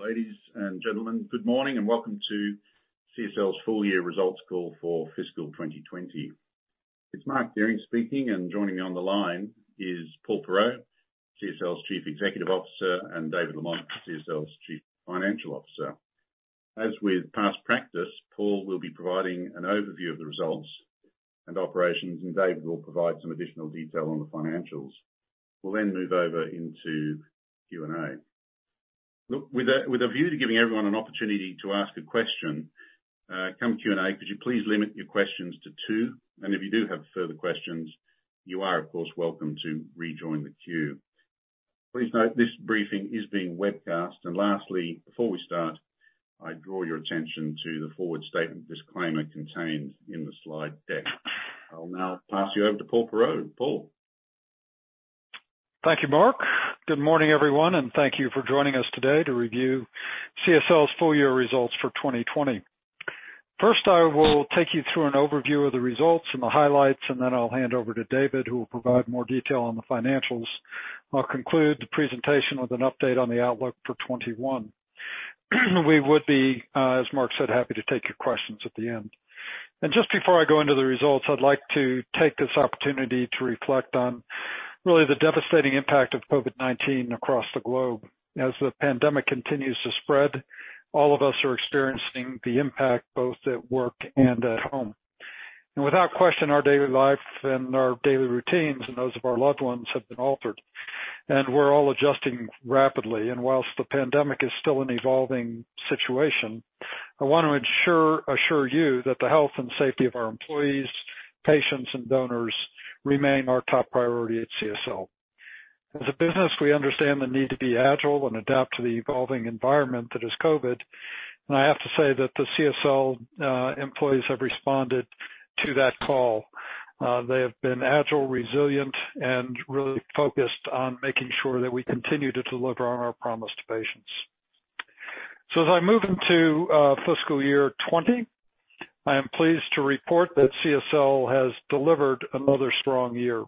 Ladies and gentlemen good morning and welcome to CSL's full year results call for fiscal 2020. It's Mark Dehring speaking. Joining me on the line is Paul Perreault, CSL's Chief Executive Officer, and David Lamont, CSL's Chief Financial Officer. As with past practice, Paul will be providing an overview of the results and operations. David will provide some additional detail on the financials. We'll move over into Q&A. Look, with a view to giving everyone an opportunity to ask a question, come Q&A, could you please limit your questions to two? If you do have further questions, you are, of course, welcome to rejoin the queue. Please note, this briefing is being webcast. Lastly, before we start, I draw your attention to the forward statement disclaimer contained in the slide deck. I'll now pass you over to Paul Perreault. Paul? Thank you Mark. Good morning everyone and thank you for joining us today to review CSL's full year results for 2020. First, I will take you through an overview of the results and the highlights, and then I'll hand over to David, who will provide more detail on the financials. I'll conclude the presentation with an update on the outlook for 2021. We would be, as Mark said, happy to take your questions at the end. Just before I go into the results, I'd like to take this opportunity to reflect on really the devastating impact of COVID-19 across the globe. As the pandemic continues to spread, all of us are experiencing the impact, both at work and at home. Without question, our daily life and our daily routines, and those of our loved ones, have been altered, and we're all adjusting rapidly. Whilst the pandemic is still an evolving situation, I want to assure you that the health and safety of our employees, patients, and donors remain our top priority at CSL. As a business, we understand the need to be agile and adapt to the evolving environment that is COVID. I have to say that the CSL employees have responded to that call. They have been agile, resilient, and really focused on making sure that we continue to deliver on our promise to patients. As I move into fiscal year 2020, I am pleased to report that CSL has delivered another strong year.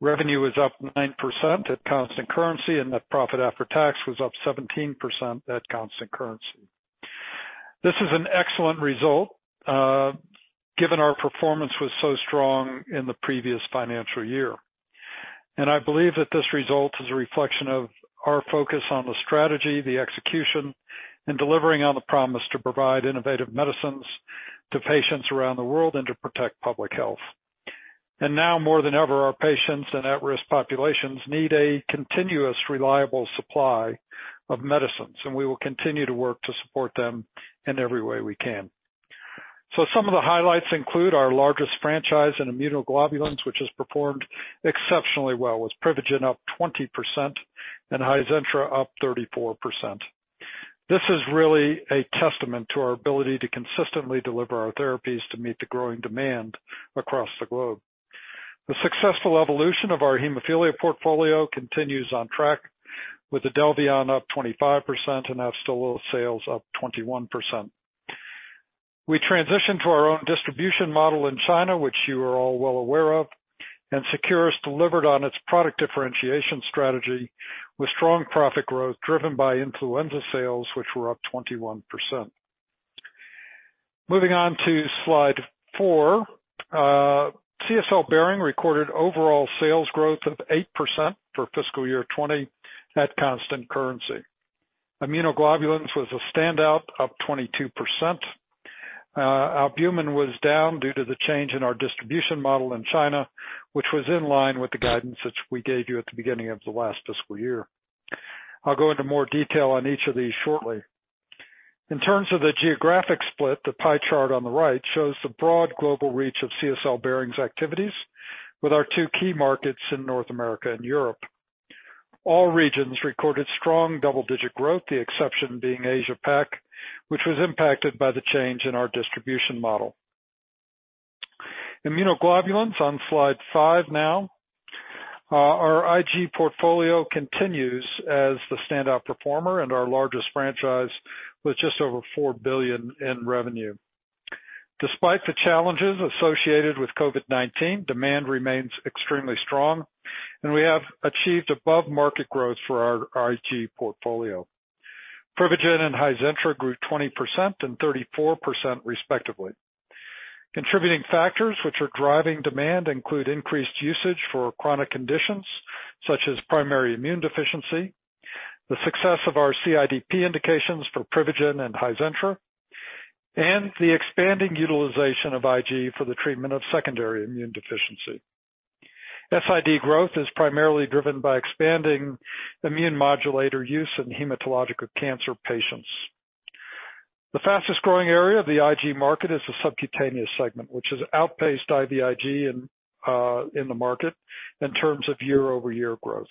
Revenue is up 9% at constant currency, and that profit after tax was up 17% at constant currency. This is an excellent result, given our performance was so strong in the previous financial year. I believe that this result is a reflection of our focus on the strategy, the execution, and delivering on the promise to provide innovative medicines to patients around the world and to protect public health. Now more than ever, our patients and at-risk populations need a continuous, reliable supply of medicines, and we will continue to work to support them in every way we can. Some of the highlights include our largest franchise in immunoglobulins, which has performed exceptionally well, with Privigen up 20% and Hizentra up 34%. This is really a testament to our ability to consistently deliver our therapies to meet the growing demand across the globe. The successful evolution of our hemophilia portfolio continues on track, with IDELVION up 25% and AFSTYLA sales up 21%. We transitioned to our own distribution model in China, which you are all well aware of. Seqirus delivered on its product differentiation strategy with strong profit growth driven by influenza sales, which were up 21%. Moving on to slide four, CSL Behring recorded overall sales growth of 8% for fiscal year 2020 at constant currency. Immunoglobulins was a standout, up 22%. albumin was down due to the change in our distribution model in China, which was in line with the guidance which we gave you at the beginning of the last fiscal year. I'll go into more detail on each of these shortly. In terms of the geographic split, the pie chart on the right shows the broad global reach of CSL Behring's activities with our two key markets in North America and Europe. All regions recorded strong double-digit growth, the exception being Asia-Pac, which was impacted by the change in our distribution model. Immunoglobulins on slide five now. Our IG portfolio continues as the standout performer and our largest franchise, with just over 4 billion in revenue. Despite the challenges associated with COVID-19, demand remains extremely strong, and we have achieved above-market growth for our IG portfolio. Privigen and Hizentra grew 20% and 34%, respectively. Contributing factors which are driving demand include increased usage for chronic conditions such as primary immune deficiency, the success of our CIDP indications for Privigen and Hizentra, and the expanding utilization of IG for the treatment of secondary immune deficiency. SID growth is primarily driven by expanding immune modulator use in hematological cancer patients. The fastest-growing area of the IG market is the subcutaneous segment, which has outpaced IVIG in the market in terms of year-over-year growth.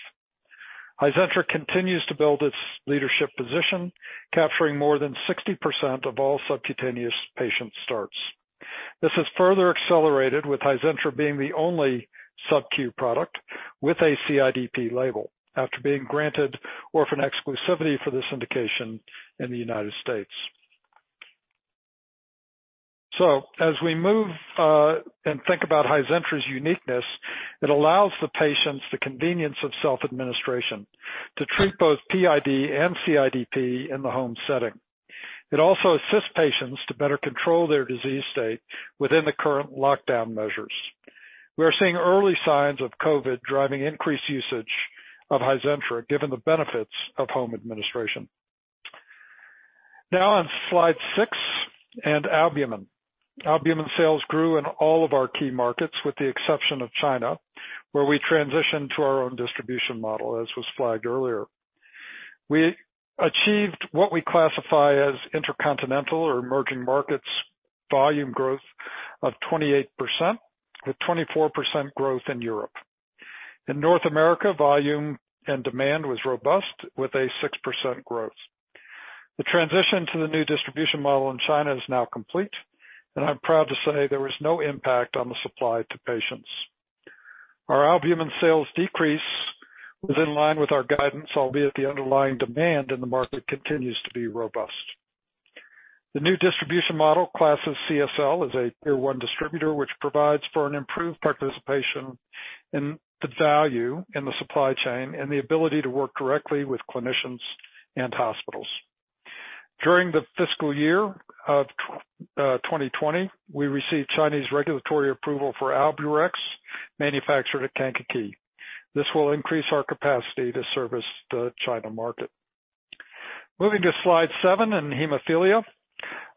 Hizentra continues to build its leadership position, capturing more than 60% of all subcutaneous patient starts. This has further accelerated with Hizentra being the only Sub-Q product with a CIDP label after being granted orphan exclusivity for this indication in the U.S. As we move and think about Hizentra's uniqueness, it allows the patients the convenience of self-administration to treat both PID and CIDP in the home setting. It also assists patients to better control their disease state within the current lockdown measures. We are seeing early signs of COVID driving increased usage of Hizentra, given the benefits of home administration. Now on slide six and Albumin. Albumin sales grew in all of our key markets with the exception of China, where we transitioned to our own distribution model as was flagged earlier. We achieved what we classify as intercontinental or emerging markets volume growth of 28% with 24% growth in Europe. In North America, volume and demand was robust with a 6% growth. The transition to the new distribution model in China is now complete, and I'm proud to say there was no impact on the supply to patients. Our albumin sales decrease was in line with our guidance, albeit the underlying demand in the market continues to be robust. The new distribution model classes CSL as a tier 1 distributor, which provides for an improved participation in the value in the supply chain and the ability to work directly with clinicians and hospitals. During the fiscal year of 2020, we received Chinese regulatory approval for Alburex manufactured at Kankakee. This will increase our capacity to service the China market. Moving to slide seven in hemophilia.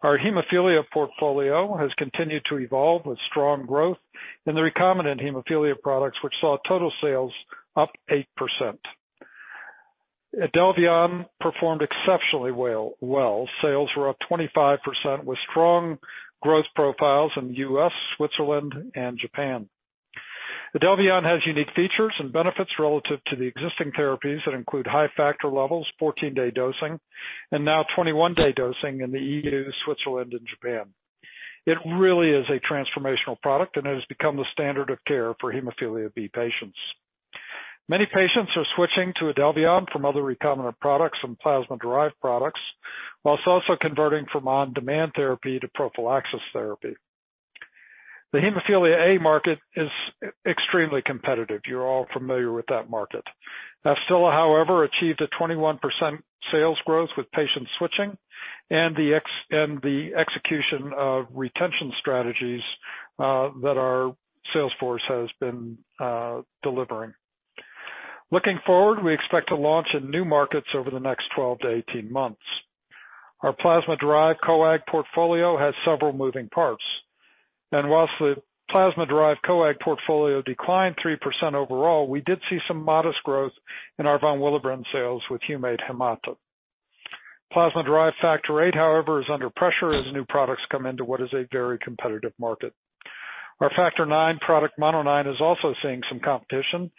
Our hemophilia portfolio has continued to evolve with strong growth in the recombinant hemophilia products, which saw total sales up 8%. IDELVION performed exceptionally well. Sales were up 25% with strong growth profiles in U.S., Switzerland, and Japan. IDELVION has unique features and benefits relative to the existing therapies that include high factor levels, 14-day dosing, and now 21-day dosing in the EU, Switzerland, and Japan. It really is a transformational product and has become the standard of care for hemophilia B patients. Many patients are switching to IDELVION from other recombinant products and plasma-derived products, whilst also converting from on-demand therapy to prophylaxis therapy. The hemophilia A market is extremely competitive. You're all familiar with that market. AFSTYLA, however, achieved a 21% sales growth with patient switching and the execution of retention strategies that our sales force has been delivering. Looking forward, we expect to launch in new markets over the next 12 to 18 months. Our plasma-derived coag portfolio has several moving parts. Whilst the plasma-derived coag portfolio declined 3% overall, we did see some modest growth in our von Willebrand sales with Humate-P. Plasma-derived factor VIII, however, is under pressure as new products come into what is a very competitive market. Our factor IX product, MONONINE, is also seeing some competition,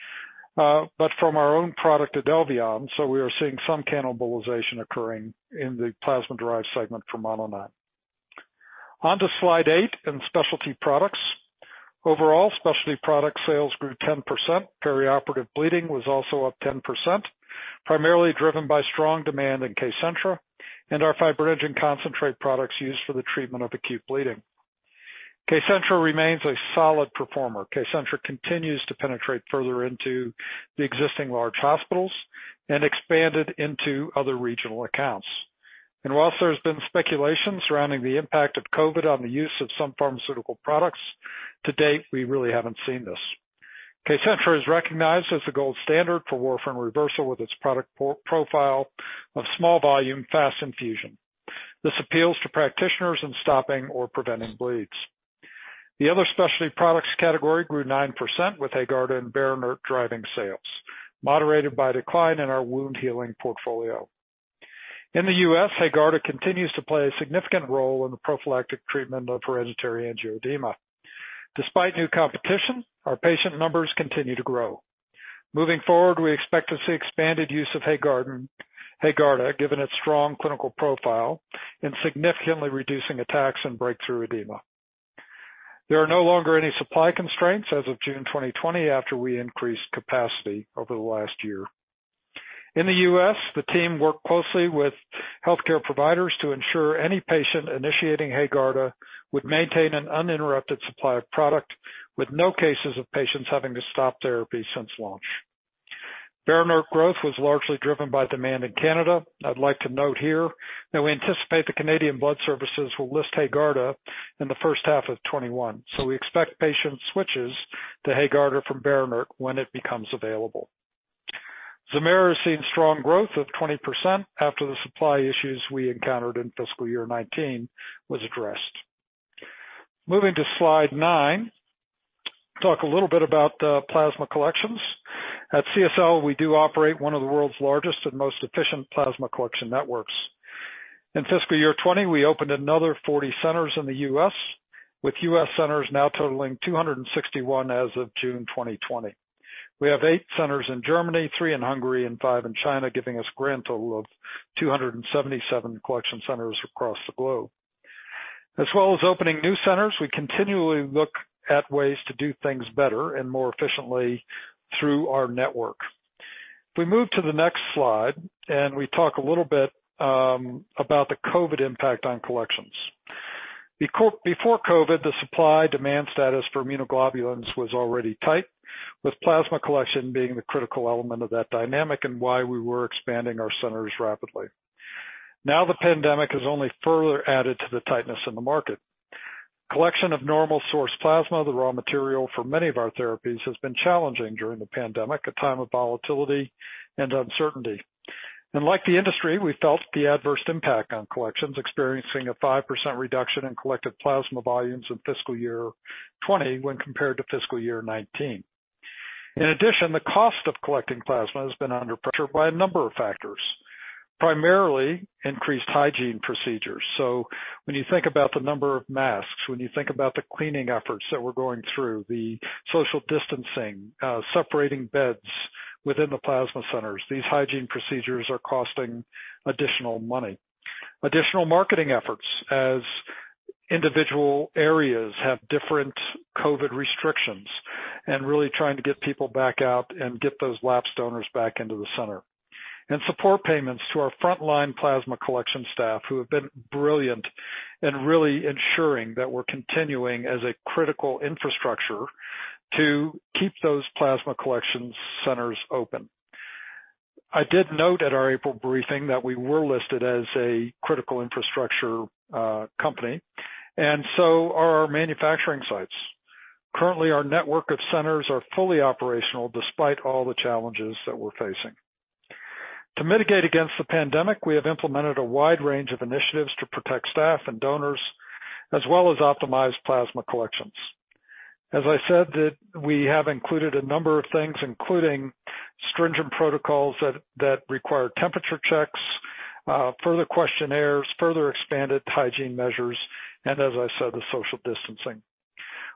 but from our own product, IDELVION. We are seeing some cannibalization occurring in the plasma-derived segment for MONONINE. On to slide eight in specialty products. Overall, specialty product sales grew 10%. Perioperative bleeding was also up 10%, primarily driven by strong demand in KCENTRA and our fibrinogen concentrate products used for the treatment of acute bleeding. KCENTRA remains a solid performer. KCENTRA continues to penetrate further into the existing large hospitals and expanded into other regional accounts. Whilst there's been speculation surrounding the impact of COVID on the use of some pharmaceutical products, to date, we really haven't seen this. KCENTRA is recognized as the gold standard for warfarin reversal with its product profile of small volume, fast infusion. This appeals to practitioners in stopping or preventing bleeds. The other specialty products category grew 9% with HAEGARDA and BERINERT driving sales, moderated by decline in our wound healing portfolio. In the U.S., HAEGARDA continues to play a significant role in the prophylactic treatment of hereditary angioedema. Despite new competition, our patient numbers continue to grow. Moving forward, we expect to see expanded use of HAEGARDA, given its strong clinical profile in significantly reducing attacks and breakthrough edema. There are no longer any supply constraints as of June 2020 after we increased capacity over the last year. In the U.S., the team worked closely with healthcare providers to ensure any patient initiating HAEGARDA would maintain an uninterrupted supply of product with no cases of patients having to stop therapy since launch. BERINERT growth was largely driven by demand in Canada. I'd like to note here that we anticipate the Canadian Blood Services will list HAEGARDA in the first half of 2021. We expect patient switches to HAEGARDA from BERINERT when it becomes available. IXIARO has seen strong growth of 20% after the supply issues we encountered in fiscal year 2019 was addressed. Moving to slide nine, talk a little bit about the plasma collections. At CSL, we do operate one of the world's largest and most efficient plasma collection networks. In fiscal year 2020, we opened another 40 centers in the U.S., with U.S. centers now totaling 261 as of June 2020. We have eight centers in Germany, three in Hungary, and five in China, giving us grand total of 277 collection centers across the globe. As well as opening new centers, we continually look at ways to do things better and more efficiently through our network. If we move to the next slide, we talk a little bit about the COVID impact on collections. Before COVID, the supply-demand status for immunoglobulins was already tight, with plasma collection being the critical element of that dynamic and why we were expanding our centers rapidly. The pandemic has only further added to the tightness in the market. Collection of normal source plasma, the raw material for many of our therapies, has been challenging during the pandemic, a time of volatility and uncertainty. Like the industry, we felt the adverse impact on collections, experiencing a 5% reduction in collected plasma volumes in fiscal year 2020 when compared to fiscal year 2019. In addition, the cost of collecting plasma has been under pressure by a number of factors, primarily increased hygiene procedures. When you think about the number of masks, when you think about the cleaning efforts that we're going through, the social distancing, separating beds within the plasma centers, these hygiene procedures are costing additional money. Additional marketing efforts as individual areas have different COVID restrictions, and really trying to get people back out and get those lapsed donors back into the center. Support payments to our frontline plasma collection staff, who have been brilliant in really ensuring that we're continuing as a critical infrastructure to keep those plasma collection centers open. I did note at our April briefing that we were listed as a critical infrastructure company, and so are our manufacturing sites. Currently, our network of centers are fully operational despite all the challenges that we're facing. To mitigate against the pandemic, we have implemented a wide range of initiatives to protect staff and donors, as well as optimize plasma collections. As I said, we have included a number of things including stringent protocols that require temperature checks, further questionnaires, further expanded hygiene measures, and as I said, the social distancing.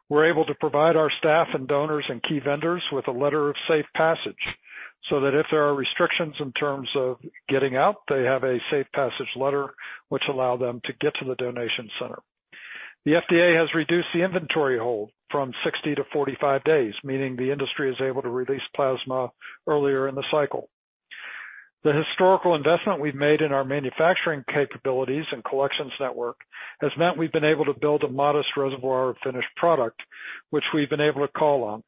We're able to provide our staff and donors and key vendors with a letter of safe passage, so that if there are restrictions in terms of getting out, they have a safe passage letter which allow them to get to the donation center. The FDA has reduced the inventory hold from 60 to 45 days, meaning the industry is able to release plasma earlier in the cycle. The historical investment we've made in our manufacturing capabilities and collections network has meant we've been able to build a modest reservoir of finished product, which we've been able to call on.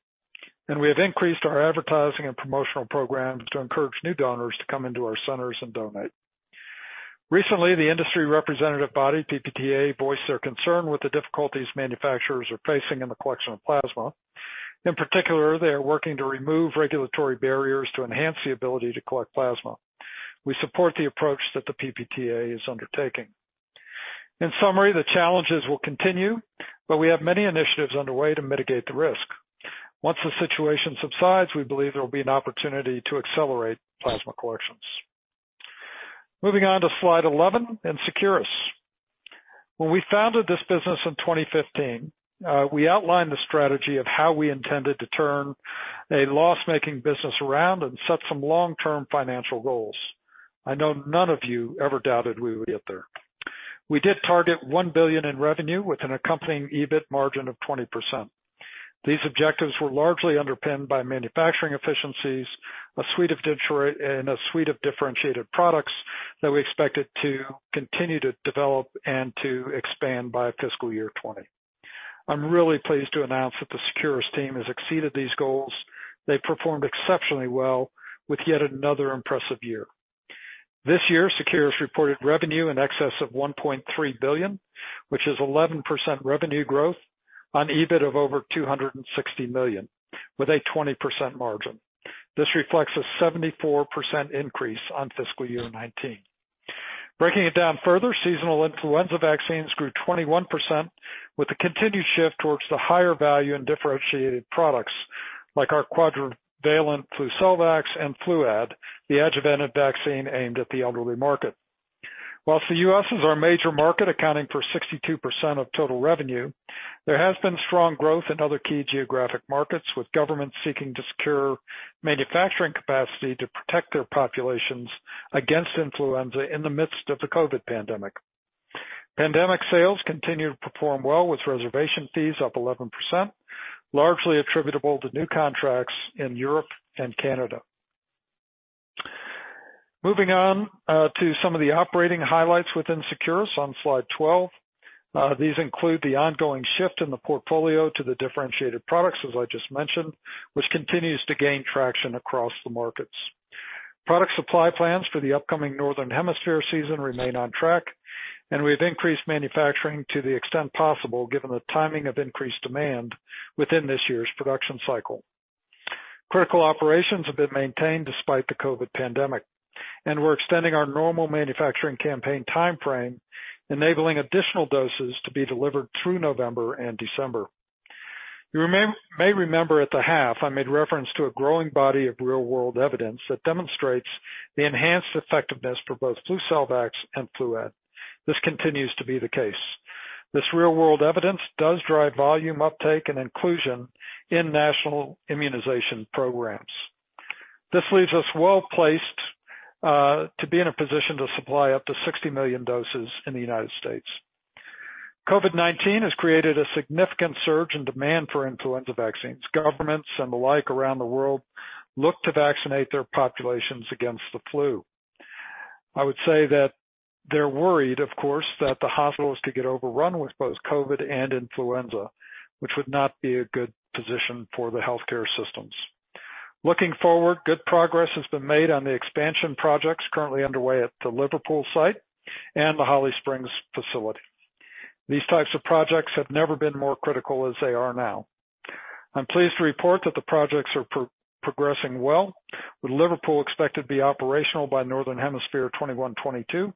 We have increased our advertising and promotional programs to encourage new donors to come into our centers and donate. Recently, the industry representative body, PPTA, voiced their concern with the difficulties manufacturers are facing in the collection of plasma. In particular, they are working to remove regulatory barriers to enhance the ability to collect plasma. We support the approach that the PPTA is undertaking. In summary, the challenges will continue, we have many initiatives underway to mitigate the risk. Once the situation subsides, we believe there will be an opportunity to accelerate plasma collections. Moving on to slide 11 in Seqirus. When we founded this business in 2015, we outlined the strategy of how we intended to turn a loss-making business around and set some long-term financial goals. I know none of you ever doubted we would get there. We did target 1 billion in revenue with an accompanying EBIT margin of 20%. These objectives were largely underpinned by manufacturing efficiencies and a suite of differentiated products that we expected to continue to develop and to expand by fiscal year 2020. I'm really pleased to announce that the Seqirus team has exceeded these goals. They've performed exceptionally well with yet another impressive year. This year, Seqirus reported revenue in excess of 1.3 billion, which is 11% revenue growth on EBIT of over 260 million with a 20% margin. This reflects a 74% increase on fiscal year 2019. Breaking it down further, seasonal influenza vaccines grew 21% with the continued shift towards the higher value and differentiated products like our quadrivalent Flucelvax and Fluad, the adjuvanted vaccine aimed at the elderly market. Whilst the U.S. is our major market, accounting for 62% of total revenue, there has been strong growth in other key geographic markets, with governments seeking to secure manufacturing capacity to protect their populations against influenza in the midst of the COVID pandemic. Pandemic sales continue to perform well with reservation fees up 11%, largely attributable to new contracts in Europe and Canada. Moving on to some of the operating highlights within Seqirus on slide 12. These include the ongoing shift in the portfolio to the differentiated products, as I just mentioned, which continues to gain traction across the markets. Product supply plans for the upcoming Northern Hemisphere season remain on track, and we've increased manufacturing to the extent possible given the timing of increased demand within this year's production cycle. Critical operations have been maintained despite the COVID pandemic, and we're extending our normal manufacturing campaign timeframe, enabling additional doses to be delivered through November and December. You may remember at the half, I made reference to a growing body of real-world evidence that demonstrates the enhanced effectiveness for both FLUCELVAX and FLUAD. This continues to be the case. This real-world evidence does drive volume uptake and inclusion in national immunization programs. This leaves us well-placed, to be in a position to supply up to 60 million doses in the U.S. COVID-19 has created a significant surge in demand for influenza vaccines. Governments and the like around the world look to vaccinate their populations against the flu. I would say that they're worried, of course, that the hospitals could get overrun with both COVID and influenza, which would not be a good position for the healthcare systems. Looking forward, good progress has been made on the expansion projects currently underway at the Liverpool site and the Holly Springs facility. These types of projects have never been more critical as they are now. I'm pleased to report that the projects are progressing well, with Liverpool expected to be operational by Northern Hemisphere 2021-2022,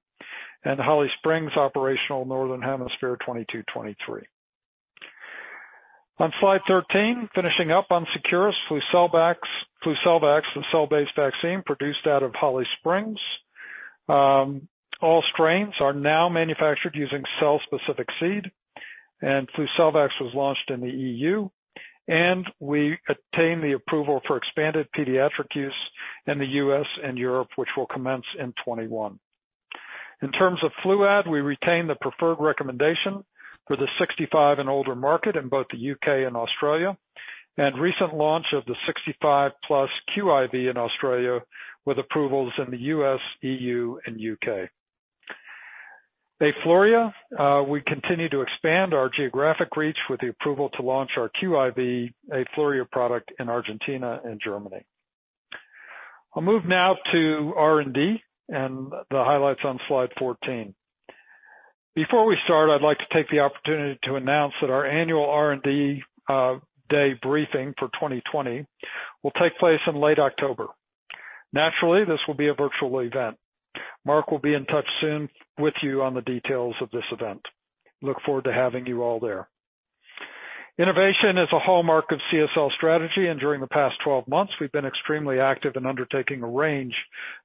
and Holly Springs operational Northern Hemisphere 2022-2023. On slide 13, finishing up on Seqirus FLUCELVAX, cell-based vaccine produced out of Holly Springs. All strains are now manufactured using cell-specific seed, FLUCELVAX was launched in the EU, we attained the approval for expanded pediatric use in the U.S. and Europe, which will commence in 2021. In terms of FLUAD, we retain the preferred recommendation for the 65 and older market in both the U.K. and Australia, recent launch of the 65 plus QIV in Australia with approvals in the U.S., EU and U.K. AFLURIA, we continue to expand our geographic reach with the approval to launch our QIV AFLURIA product in Argentina and Germany. I'll move now to R&D and the highlights on slide 14. Before we start, I'd like to take the opportunity to announce that our annual R&D Day briefing for 2020 will take place in late October. Naturally, this will be a virtual event. Mark will be in touch soon with you on the details of this event. Look forward to having you all there. Innovation is a hallmark of CSL's strategy. During the past 12 months, we've been extremely active in undertaking a range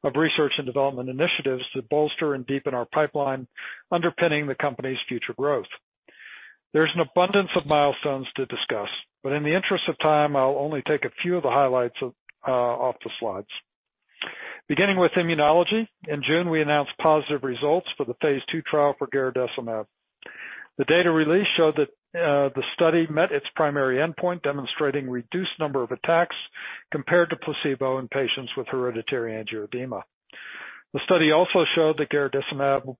of research and development initiatives to bolster and deepen our pipeline underpinning the company's future growth. There's an abundance of milestones to discuss. In the interest of time, I'll only take a few of the highlights off the slides. Beginning with immunology, in June we announced positive results for the phase II trial for garadacimab. The data release showed that the study met its primary endpoint, demonstrating reduced number of attacks compared to placebo in patients with hereditary angioedema. The study also showed that garadacimab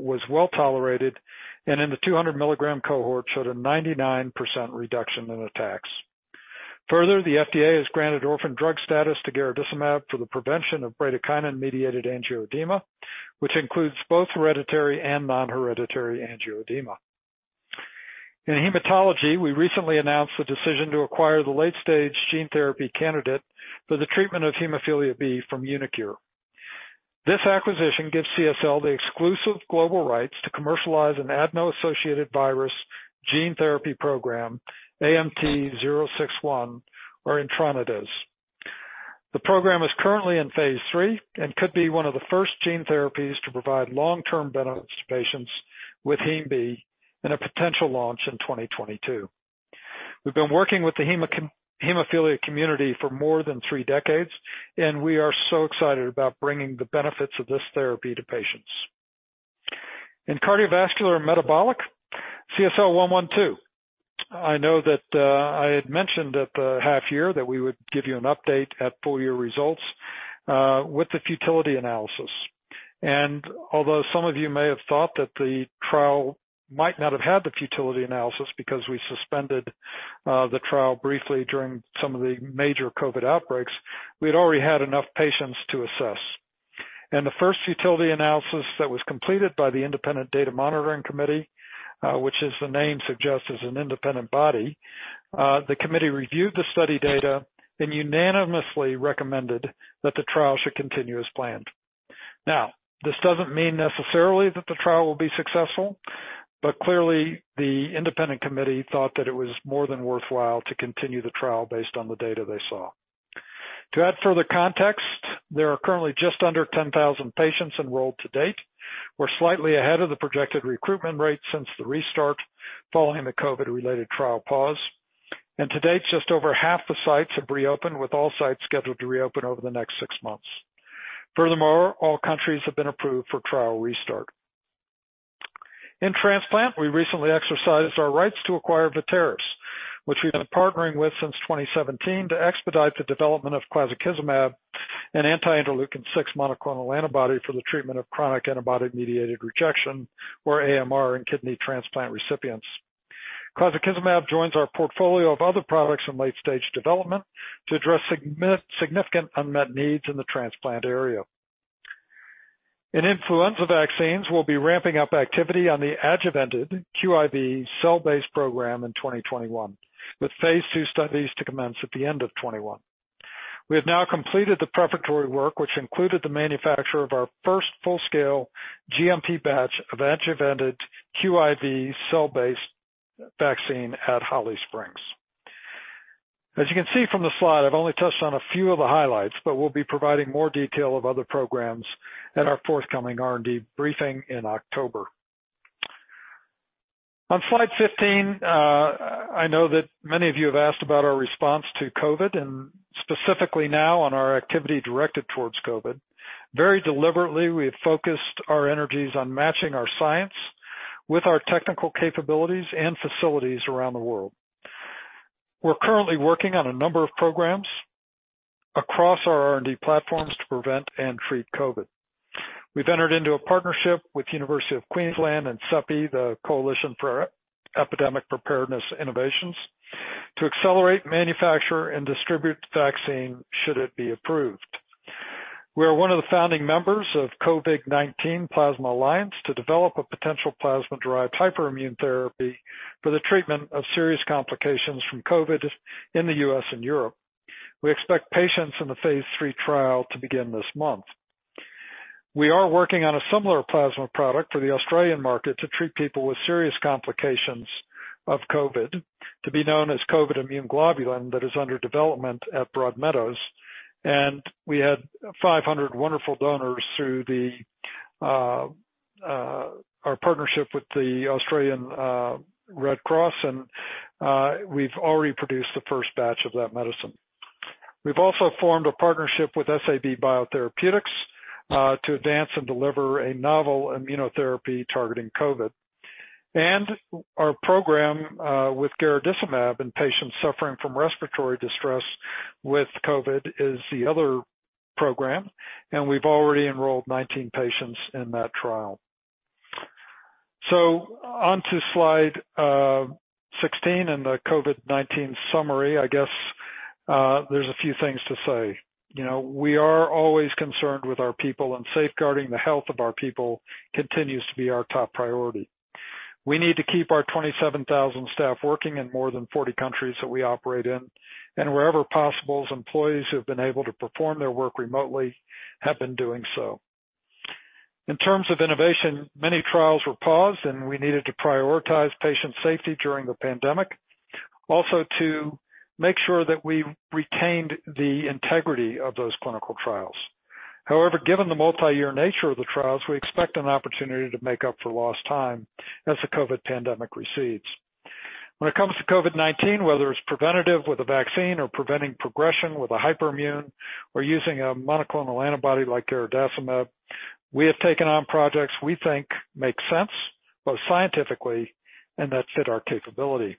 was well-tolerated. In the 200 mg cohort showed a 99% reduction in attacks. Further, the FDA has granted orphan drug status to garadacimab for the prevention of bradykinin-mediated angioedema, which includes both hereditary and non-hereditary angioedema. In hematology, we recently announced the decision to acquire the late-stage gene therapy candidate for the treatment of hemophilia B from uniQure. This acquisition gives CSL the exclusive global rights to commercialize an adeno-associated virus gene therapy program, AMT-061, or etranacogene dezaparvovec. The program is currently in phase III and could be one of the first gene therapies to provide long-term benefits to patients with hem B and a potential launch in 2022. We've been working with the hemophilia community for more than three decades, and we are so excited about bringing the benefits of this therapy to patients. In cardiovascular and metabolic, CSL112. I know that I had mentioned at the half year that we would give you an update at full year results with the futility analysis. Although some of you may have thought that the trial might not have had the futility analysis because we suspended the trial briefly during some of the major COVID outbreaks, we'd already had enough patients to assess. The first futility analysis that was completed by the independent Data Monitoring Committee, which as the name suggests, is an independent body, the committee reviewed the study data and unanimously recommended that the trial should continue as planned. This doesn't mean necessarily that the trial will be successful, but clearly the independent committee thought that it was more than worthwhile to continue the trial based on the data they saw. To add further context, there are currently just under 10,000 patients enrolled to date. We're slightly ahead of the projected recruitment rate since the restart following the COVID-related trial pause. To date, just over half the sites have reopened, with all sites scheduled to reopen over the next six months. Furthermore, all countries have been approved for trial restart. In transplant, we recently exercised our rights to acquire Vitaeris, which we've been partnering with since 2017 to expedite the development of clazakizumab, an anti-interleukin-6 monoclonal antibody for the treatment of chronic antibody-mediated rejection, or AMR, in kidney transplant recipients. Clazakizumab joins our portfolio of other products in late-stage development to address significant unmet needs in the transplant area. In influenza vaccines, we'll be ramping up activity on the adjuvanted QIV cell-based program in 2021, with phase II studies to commence at the end of 2021. We have now completed the preparatory work, which included the manufacture of our first full-scale GMP batch of adjuvanted QIV cell-based vaccine at Holly Springs. As you can see from the slide, I've only touched on a few of the highlights, but we'll be providing more detail of other programs at our forthcoming R&D briefing in October. On slide 15, I know that many of you have asked about our response to COVID and specifically now on our activity directed towards COVID. Very deliberately, we have focused our energies on matching our science with our technical capabilities and facilities around the world. We're currently working on a number of programs across our R&D platforms to prevent and treat COVID. We've entered into a partnership with University of Queensland and CEPI, the Coalition for Epidemic Preparedness Innovations, to accelerate, manufacture, and distribute the vaccine should it be approved. We are one of the founding members of CoVIg-19 Plasma Alliance to develop a potential plasma-derived hyperimmune therapy for the treatment of serious complications from COVID in the U.S. and Europe. We expect patients in the phase III trial to begin this month. We are working on a similar plasma product for the Australian market to treat people with serious complications of COVID, to be known as COVID Immune Globulin, that is under development at Broadmeadows. We had 500 wonderful donors through our partnership with the Australian Red Cross, and we've already produced the first batch of that medicine. We've also formed a partnership with SAB Biotherapeutics to advance and deliver a novel immunotherapy targeting COVID. Our program with garadacimab in patients suffering from respiratory distress with COVID is the other program, and we've already enrolled 19 patients in that trial. Onto slide 16 and the COVID-19 summary. I guess, there's a few things to say. We are always concerned with our people, and safeguarding the health of our people continues to be our top priority. We need to keep our 27,000 staff working in more than 40 countries that we operate in. Wherever possible, as employees who have been able to perform their work remotely have been doing so. In terms of innovation, many trials were paused, and we needed to prioritize patient safety during the pandemic. To make sure that we retained the integrity of those clinical trials. Given the multi-year nature of the trials, we expect an opportunity to make up for lost time as the COVID pandemic recedes. When it comes to COVID-19, whether it's preventative with a vaccine or preventing progression with a hyperimmune, or using a monoclonal antibody like garadacimab, we have taken on projects we think make sense, both scientifically and that fit our capability.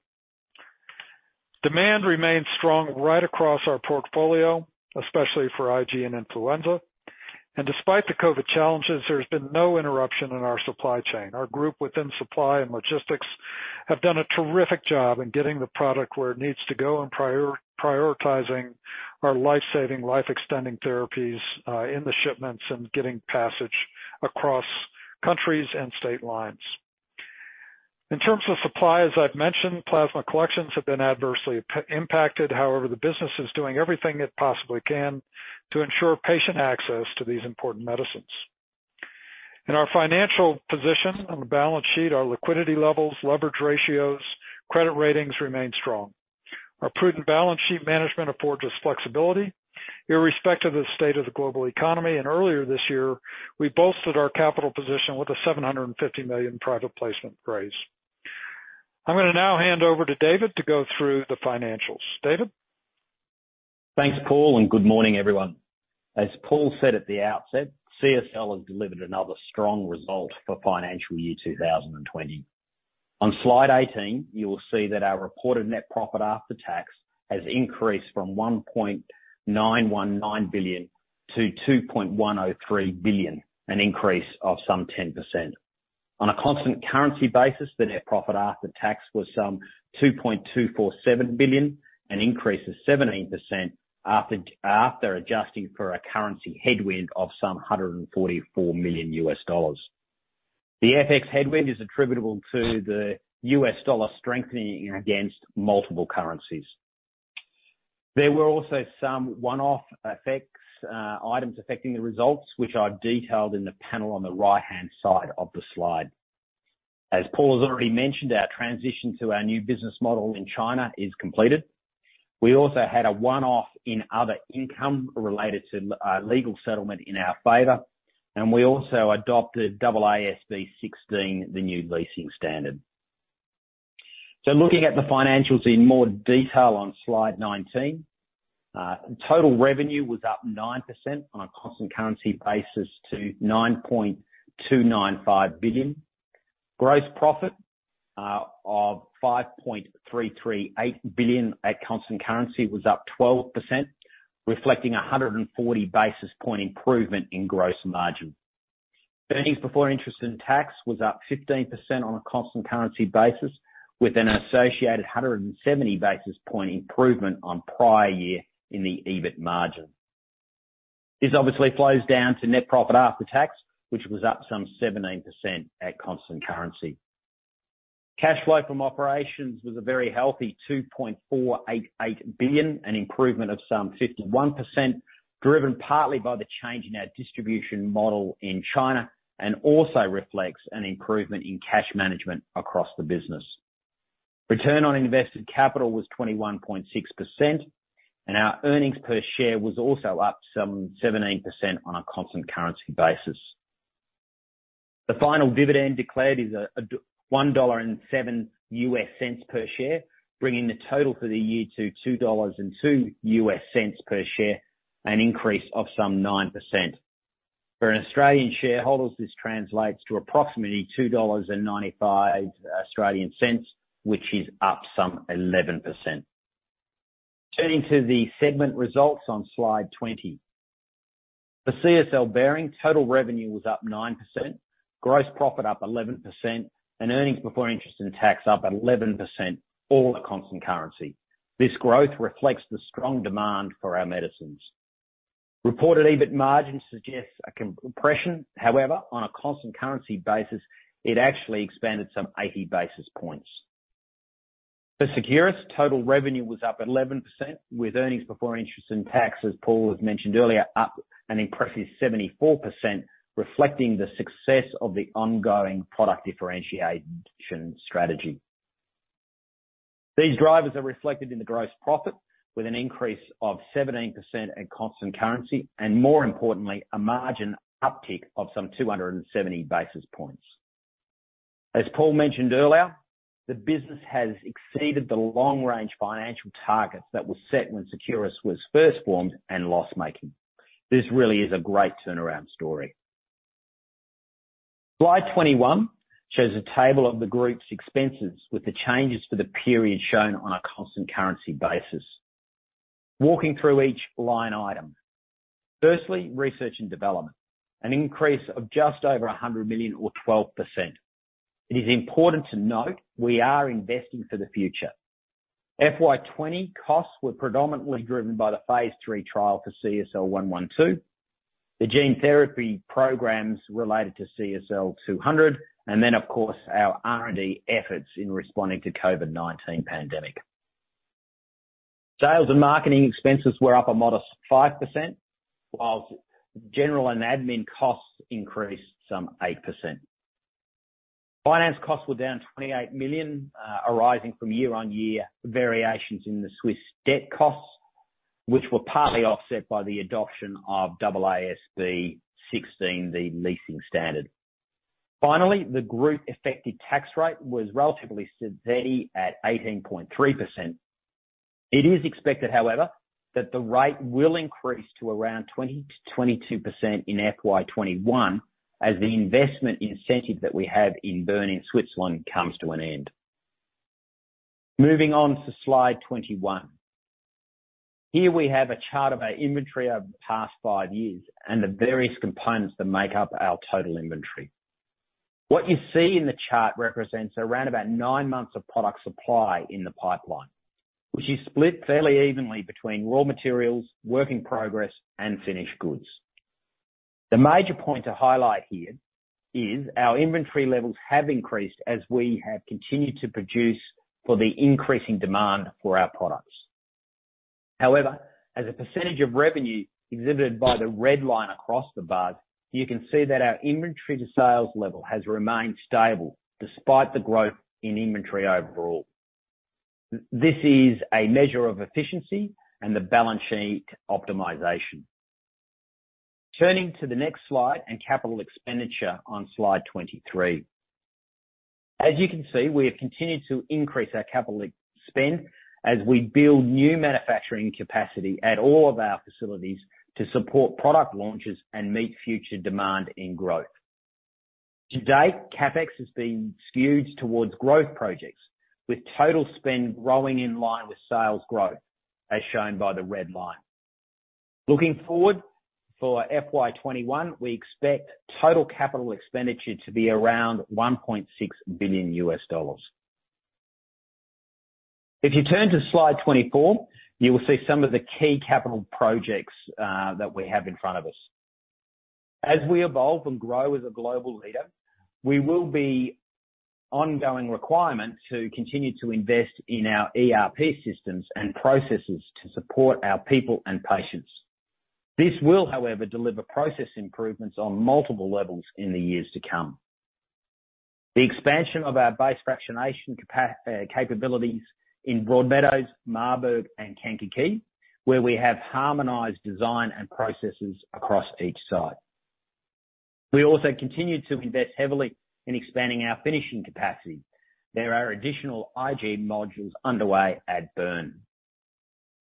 Demand remains strong right across our portfolio, especially for IG and influenza. Despite the COVID challenges, there's been no interruption in our supply chain. Our group within supply and logistics have done a terrific job in getting the product where it needs to go and prioritizing our life-saving, life-extending therapies, in the shipments and getting passage across countries and state lines. In terms of supply, as I've mentioned, plasma collections have been adversely impacted. However, the business is doing everything it possibly can to ensure patient access to these important medicines. In our financial position on the balance sheet, our liquidity levels, leverage ratios, credit ratings remain strong. Our prudent balance sheet management affords us flexibility irrespective of the state of the global economy. Earlier this year, we bolstered our capital position with an 750 million private placement raise. I'm going to now hand over to David to go through the financials. David? Thanks Paul. Good morning everyone. As Paul said at the outset, CSL has delivered another strong result for financial year 2020. On slide 18, you will see that our reported net profit after tax has increased from 1.919 billion-2.103 billion, an increase of some 10%. On a constant currency basis, the net profit after tax was some 2.247 billion, an increase of 17% after adjusting for a currency headwind of some $144 million. The FX headwind is attributable to the US dollar strengthening against multiple currencies. There were also some one-off effects, items affecting the results, which I've detailed in the panel on the right-hand side of the slide. As Paul has already mentioned, our transition to our new business model in China is completed. We also had a one-off in other income related to a legal settlement in our favor, and we also adopted AASB 16, the new leasing standard. Looking at the financials in more detail on slide 19. Total revenue was up 9% on a constant currency basis to 9.295 billion. Gross profit of 5.338 billion at constant currency was up 12%, reflecting 140 basis point improvement in gross margin. Earnings before interest and tax was up 15% on a constant currency basis, with an associated 170 basis point improvement on prior year in the EBIT margin. This obviously flows down to net profit after tax, which was up some 17% at constant currency. Cash flow from operations was a very healthy 2.488 billion, an improvement of some 51%, driven partly by the change in our distribution model in China and also reflects an improvement in cash management across the business. Return on invested capital was 21.6%, and our earnings per share was also up some 17% on a constant currency basis. The final dividend declared is $1.07 per share, bringing the total for the year to $2.02 per share, an increase of some 9%. For an Australian shareholder, this translates to approximately 2.95 dollars, which is up some 11%. Turning to the segment results on slide 20. For CSL Behring, total revenue was up 9%, gross profit up 11%, and earnings before interest and tax up 11%, all at constant currency. This growth reflects the strong demand for our medicines. Reported EBIT margin suggests a compression. However, on a constant currency basis, it actually expanded some 80 basis points. For Seqirus, total revenue was up 11%, with earnings before interest and tax, as Paul has mentioned earlier, up an impressive 74%, reflecting the success of the ongoing product differentiation strategy. These drivers are reflected in the gross profit, with an increase of 17% at constant currency and more importantly, a margin uptick of some 270 basis points. As Paul mentioned earlier, the business has exceeded the long-range financial targets that were set when Seqirus was first formed and loss-making. This really is a great turnaround story. Slide 21 shows a table of the group's expenses with the changes for the period shown on a constant currency basis. Walking through each line item. Firstly, research and development, an increase of just over 100 million or 12%. It is important to note, we are investing for the future. In 2020, costs were predominantly driven by the phase III trial for CSL112, the gene therapy programs related to CSL200, and then of course, our R&D efforts in responding to COVID-19 pandemic. Sales and marketing expenses were up a modest 5%, while general and admin costs increased some 8%. Finance costs were down 28 million, arising from year-on-year variations in the Swiss debt costs, which were partly offset by the adoption of AASB 16, the leasing standard. Finally, the group effective tax rate was relatively steady at 18.3%. It is expected, however, that the rate will increase to around 20%-22% in FY 2021 as the investment incentive that we have in Bern in Switzerland comes to an end. Moving on to slide 21. Here we have a chart of our inventory over the past five years and the various components that make up our total inventory. What you see in the chart represents around about nine months of product supply in the pipeline, which is split fairly evenly between raw materials, work in progress, and finished goods. The major point to highlight here is our inventory levels have increased as we have continued to produce for the increasing demand for our products. However, as a percentage of revenue exhibited by the red line across the bars, you can see that our inventory to sales level has remained stable despite the growth in inventory overall. This is a measure of efficiency and the balance sheet optimization. Turning to the next slide and capital expenditure on slide 23. As you can see, we have continued to increase our capital spend as we build new manufacturing capacity at all of our facilities to support product launches and meet future demand in growth. To date, CapEx has been skewed towards growth projects, with total spend growing in line with sales growth as shown by the red line. Looking forward for FY 2021, we expect total CapEx to be around $1.6 billion. If you turn to slide 24, you will see some of the key capital projects that we have in front of us. As we evolve and grow as a global leader, we will be ongoing requirement to continue to invest in our ERP systems and processes to support our people and patients. This will, however, deliver process improvements on multiple levels in the years to come. The expansion of our base fractionation capabilities in Broadmeadows, Marburg, and Kankakee, where we have harmonized design and processes across each site. We also continue to invest heavily in expanding our finishing capacity. There are additional IG modules underway at Bern.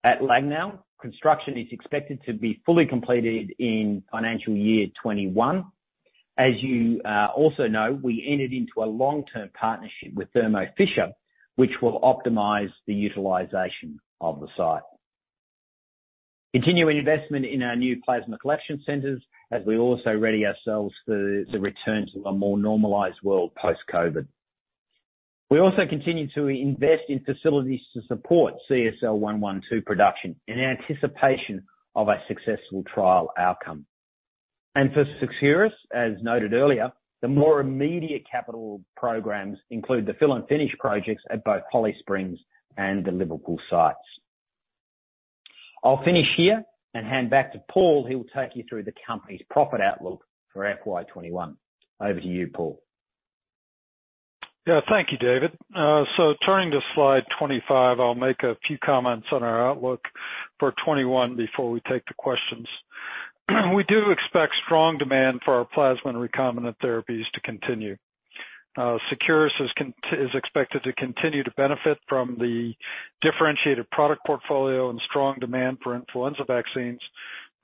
At Lengnau, construction is expected to be fully completed in financial year 2021. As you also know, we entered into a long-term partnership with Thermo Fisher which will optimize the utilization of the site. Continuing investment in our new plasma collection centers as we also ready ourselves for the return to a more normalized world post-COVID. We also continue to invest in facilities to support CSL112 production in anticipation of a successful trial outcome. For Seqirus, as noted earlier, the more immediate capital programs include the fill and finish projects at both Holly Springs and the Liverpool sites. I'll finish here and hand back to Paul who will take you through the company's profit outlook for FY 2021. Over to you Paul. Thank you David. Turning to slide 25, I'll make a few comments on our outlook for 2021 before we take the questions. We do expect strong demand for our plasma and recombinant therapies to continue. Seqirus is expected to continue to benefit from the differentiated product portfolio and strong demand for influenza vaccines,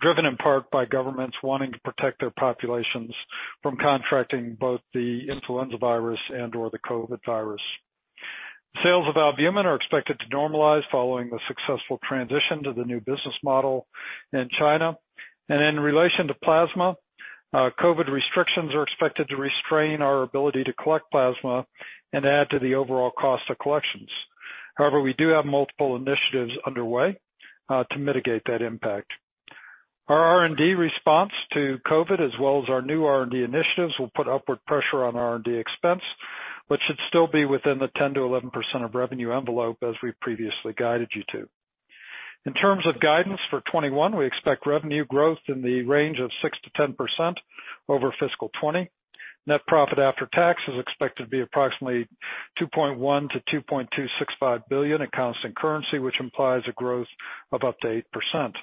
driven in part by governments wanting to protect their populations from contracting both the influenza virus and/or the COVID virus. Sales of albumin are expected to normalize following the successful transition to the new business model in China. In relation to plasma, COVID restrictions are expected to restrain our ability to collect plasma and add to the overall cost of collections. However, we do have multiple initiatives underway to mitigate that impact. Our R&D response to COVID, as well as our new R&D initiatives, will put upward pressure on R&D expense, should still be within the 10%-11% of revenue envelope as we previously guided you to. In terms of guidance for 2021, we expect revenue growth in the range of 6%-10% over fiscal year 2020. Net profit after tax is expected to be approximately 2.1 billion-2.265 billion in constant currency, which implies a growth of up to 8%.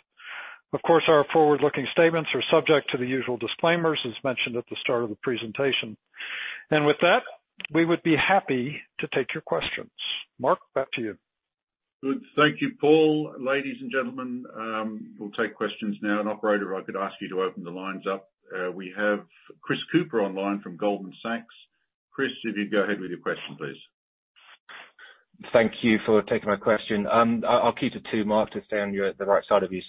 Our forward-looking statements are subject to the usual disclaimers as mentioned at the start of the presentation. With that, we would be happy to take your questions. Mark back to you. Good. Thank you Paul. Ladies and gentlemen, we'll take questions now. Operator, if I could ask you to open the lines up. We have Chris Cooper online from Goldman Sachs. Chris, if you'd go ahead with your question, please. Thank you for taking my question. I'll keep the two marks it sound you're at the right side of you,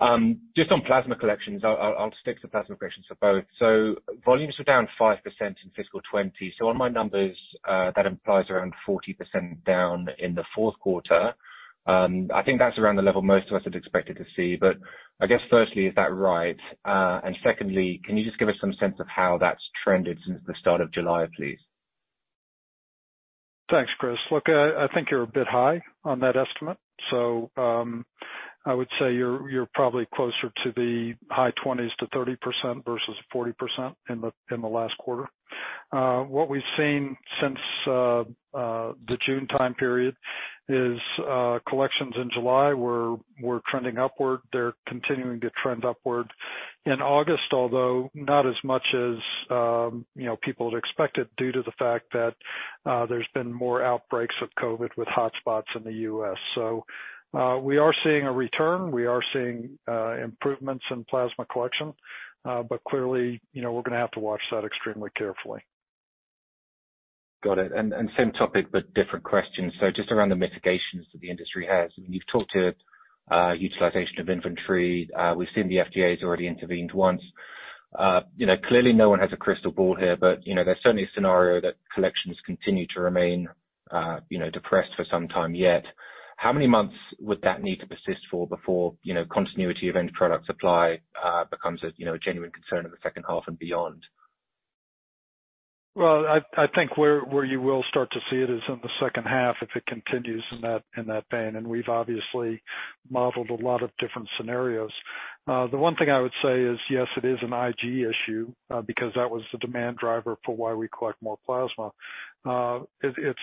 so just on plasma collections, I'll stick to plasma collections for both. Volumes were down 5% in fiscal 2020. On my numbers, that implies around 40% down in the fourth quarter. I think that's around the level most of us had expected to see. I guess firstly, is that right? Secondly, can you just give us some sense of how that's trended since the start of July, please? Thanks Chris. Look, I think you're a bit high on that estimate. I would say you're probably closer to the high 20s to 30% versus 40% in the last quarter. What we've seen since the June time period is collections in July were trending upward. They're continuing to trend upward in August, although not as much as people had expected due to the fact that there's been more outbreaks of COVID with hotspots in the U.S. We are seeing a return, we are seeing improvements in plasma collection, but clearly, we're going to have to watch that extremely carefully. Got it. Same topic but different question. Just around the mitigations that the industry has. You've talked to utilization of inventory. We've seen the FDA's already intervened once. Clearly no one has a crystal ball here, but there's certainly a scenario that collections continue to remain depressed for some time yet. How many months would that need to persist for before continuity of end product supply becomes a genuine concern in the second half and beyond? Well, I think where you will start to see it is in the second half, if it continues in that vein, and we've obviously modeled a lot of different scenarios. The one thing I would say is, yes, it is an IG issue, because that was the demand driver for why we collect more plasma. It's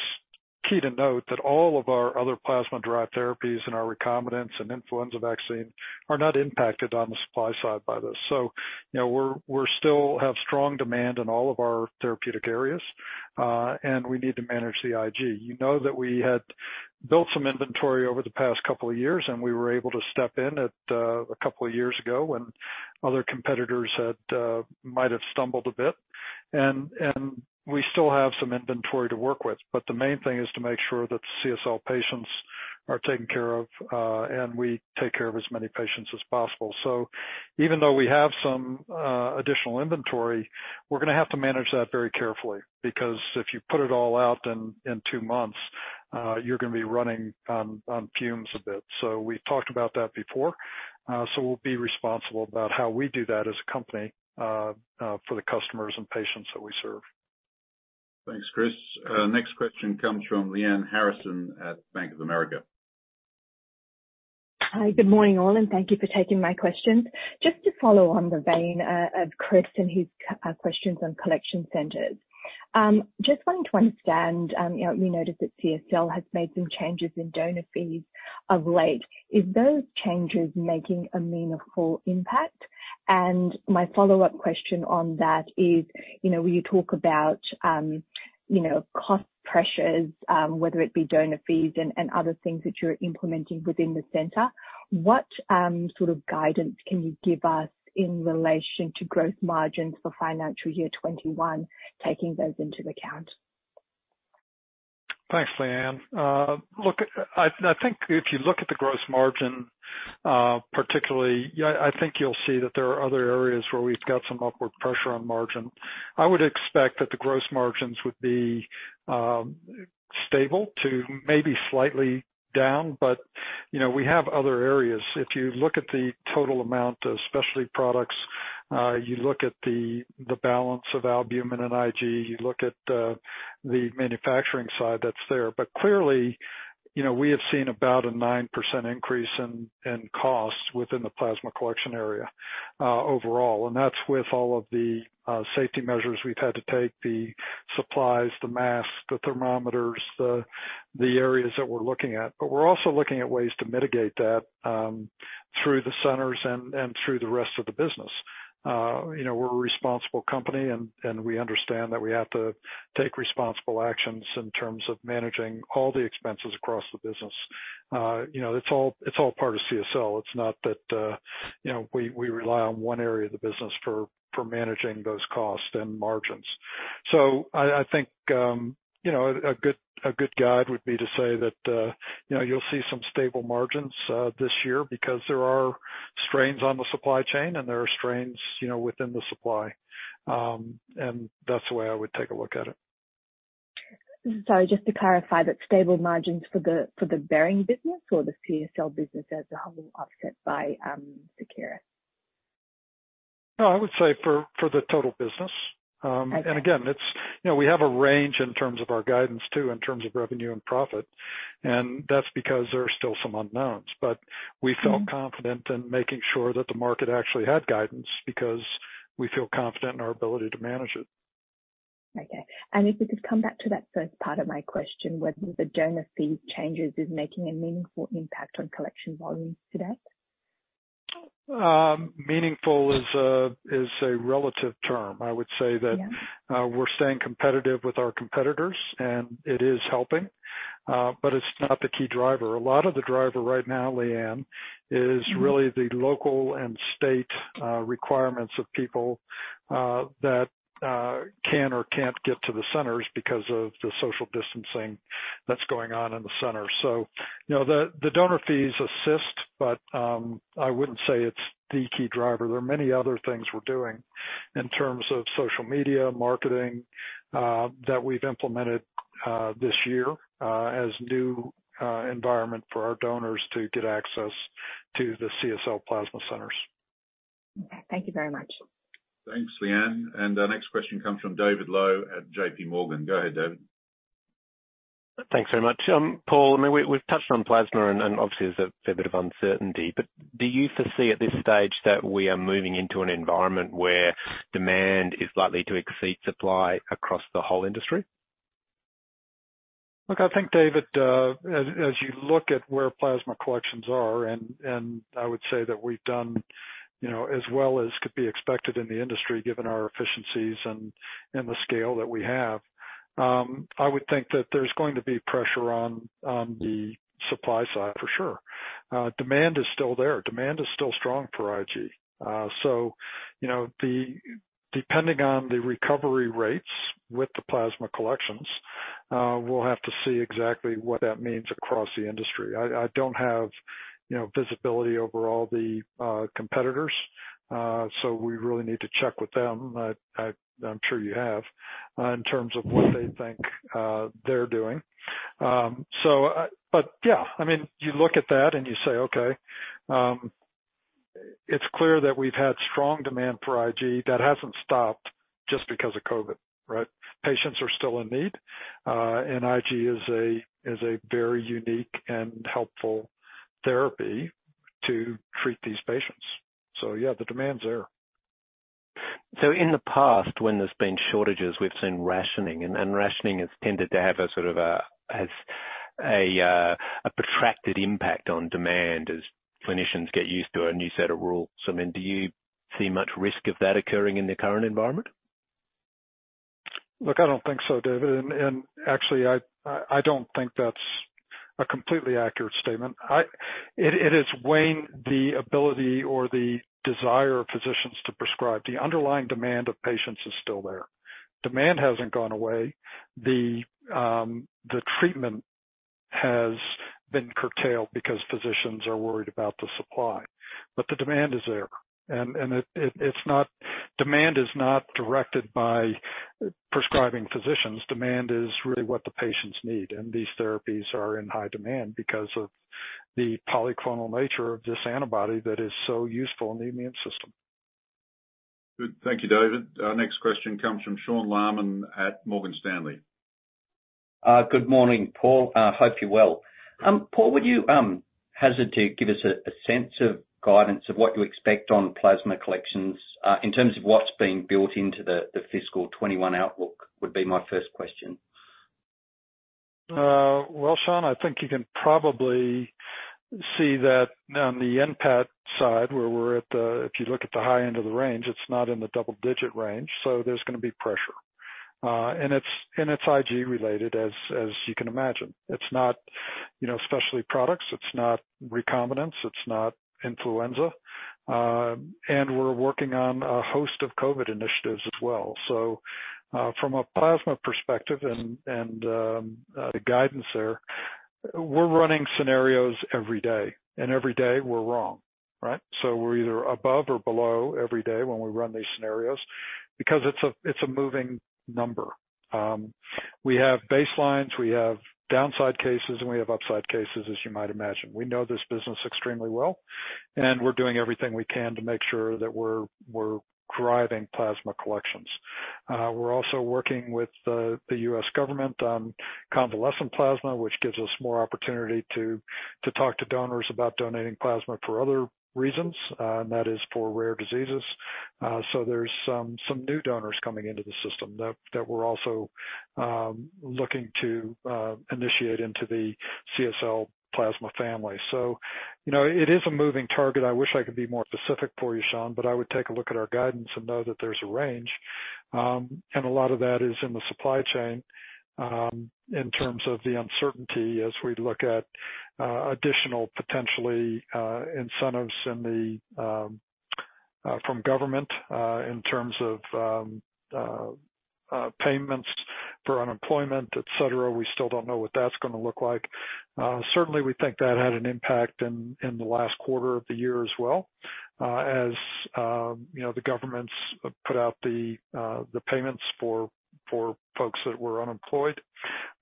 key to note that all of our other plasma-derived therapies and our recombinants and influenza vaccine are not impacted on the supply side by this. We still have strong demand in all of our therapeutic areas, and we need to manage the IG. You know that we had built some inventory over the past couple of years, and we were able to step in at a couple of years ago when other competitors had might have stumbled a bit, and we still have some inventory to work with. The main thing is to make sure that CSL patients are taken care of, and we take care of as many patients as possible. Even though we have some additional inventory, we're going to have to manage that very carefully, because if you put it all out in two months, you're going to be running on fumes a bit. We've talked about that before. We'll be responsible about how we do that as a company for the customers and patients that we serve. Thanks, Chris. Next question comes from Lyanne Harrison at Bank of America. Hi good morning all and thank you for taking my questions. Just to follow on the vein of Chris and his questions on collection centers. Just wanting to understand, we noticed that CSL has made some changes in donor fees of late. Is those changes making a meaningful impact? My follow-up question on that is, when you talk about cost pressures, whether it be donor fees and other things that you're implementing within the center, what sort of guidance can you give us in relation to growth margins for financial year 2021, taking those into account? Thanks Lyanne. Look, I think if you look at the gross margin, particularly, I think you'll see that there are other areas where we've got some upward pressure on margin. I would expect that the gross margins would be stable to maybe slightly down. We have other areas. If you look at the total amount of specialty products, you look at the balance of albumin and IG, you look at the manufacturing side that's there. Clearly, we have seen about a 9% increase in costs within the plasma collection area overall, and that's with all of the safety measures we've had to take, the supplies, the masks, the thermometers, the areas that we're looking at. We're also looking at ways to mitigate that, through the centers and through the rest of the business. We're a responsible company, and we understand that we have to take responsible actions in terms of managing all the expenses across the business. It's all part of CSL. It's not that we rely on one area of the business for managing those costs and margins. I think, a good guide would be to say that you'll see some stable margins this year because there are strains on the supply chain and there are strains within the supply. That's the way I would take a look at it. Sorry, just to clarify, that's stable margins for the Behring business or the CSL business as a whole, offset by Seqirus? No, I would say for the total business. Okay. Again, we have a range in terms of our guidance too, in terms of revenue and profit, and that's because there are still some unknowns. We felt confident in making sure that the market actually had guidance because we feel confident in our ability to manage it. Okay. If we could come back to that first part of my question, whether the donor fee changes is making a meaningful impact on collection volumes to date? Meaningful is a relative term. Yeah. I would say that we're staying competitive with our competitors, and it is helping, but it's not the key driver. A lot of the driver right now, Lyanne, is really the local and state requirements of people that can or can't get to the centers because of the social distancing that's going on in the center. The donor fees assist, but I wouldn't say it's the key driver. There are many other things we're doing in terms of social media, marketing, that we've implemented this year as new environment for our donors to get access to the CSL Plasma centers. Okay. Thank you very much. Thanks Lyanne. Our next question comes from David Low at JP Morgan. Go ahead David. Thanks very much. Paul, we've touched on plasma, and obviously there's a fair bit of uncertainty, but do you foresee at this stage that we are moving into an environment where demand is likely to exceed supply across the whole industry? I think, David, as you look at where plasma collections are, I would say that we've done as well as could be expected in the industry, given our efficiencies and the scale that we have. I would think that there's going to be pressure on the supply side, for sure. Demand is still there. Demand is still strong for IG. Depending on the recovery rates with the plasma collections, we'll have to see exactly what that means across the industry. I don't have visibility over all the competitors, we really need to check with them, I'm sure you have, in terms of what they think they're doing. Yeah, you look at that and you say, okay, it's clear that we've had strong demand for IG. That hasn't stopped just because of COVID, right? Patients are still in need, and IG is a very unique and helpful therapy to treat these patients. yeah, the demand's there. In the past, when there's been shortages, we've seen rationing, and rationing has tended to have a sort of a protracted impact on demand as clinicians get used to a new set of rules. Do you see much risk of that occurring in the current environment? Look, I don't think so, David. Actually, I don't think that's a completely accurate statement. It has waned the ability or the desire of physicians to prescribe. The underlying demand of patients is still there. Demand hasn't gone away. The treatment has been curtailed because physicians are worried about the supply. The demand is there. Demand is not directed by prescribing physicians. Demand is really what the patients need, and these therapies are in high demand because of the polyclonal nature of this antibody that is so useful in the immune system. Good. Thank you David. Our next question comes from Sean Laaman at Morgan Stanley. Good morning Paul. Hope you're well. Paul, would you hazard to give us a sense of guidance of what you expect on plasma collections, in terms of what's being built into the fiscal 2021 outlook, would be my first question. Well, Sean, I think you can probably see that on the NPAT side, if you look at the high end of the range, it's not in the double-digit range, there's going to be pressure. It's IG related, as you can imagine. It's not specialty products. It's not recombinants. It's not influenza. We're working on a host of COVID initiatives as well. From a plasma perspective and the guidance there, we're running scenarios every day, every day we're wrong, right? We're either above or below every day when we run these scenarios because it's a moving number. We have baselines, we have downside cases, and we have upside cases, as you might imagine. We know this business extremely well, and we're doing everything we can to make sure that we're driving plasma collections. We're also working with the U.S. government on convalescent plasma, which gives us more opportunity to talk to donors about donating plasma for other reasons, and that is for rare diseases. There's some new donors coming into the system that we're also looking to initiate into the CSL Plasma family. It is a moving target. I wish I could be more specific for you, Sean, but I would take a look at our guidance and know that there's a range. A lot of that is in the supply chain, in terms of the uncertainty as we look at additional, potentially, incentives from government, in terms of payments for unemployment, et cetera. We still don't know what that's going to look like. Certainly, we think that had an impact in the last quarter of the year as well. As the governments put out the payments for folks that were unemployed.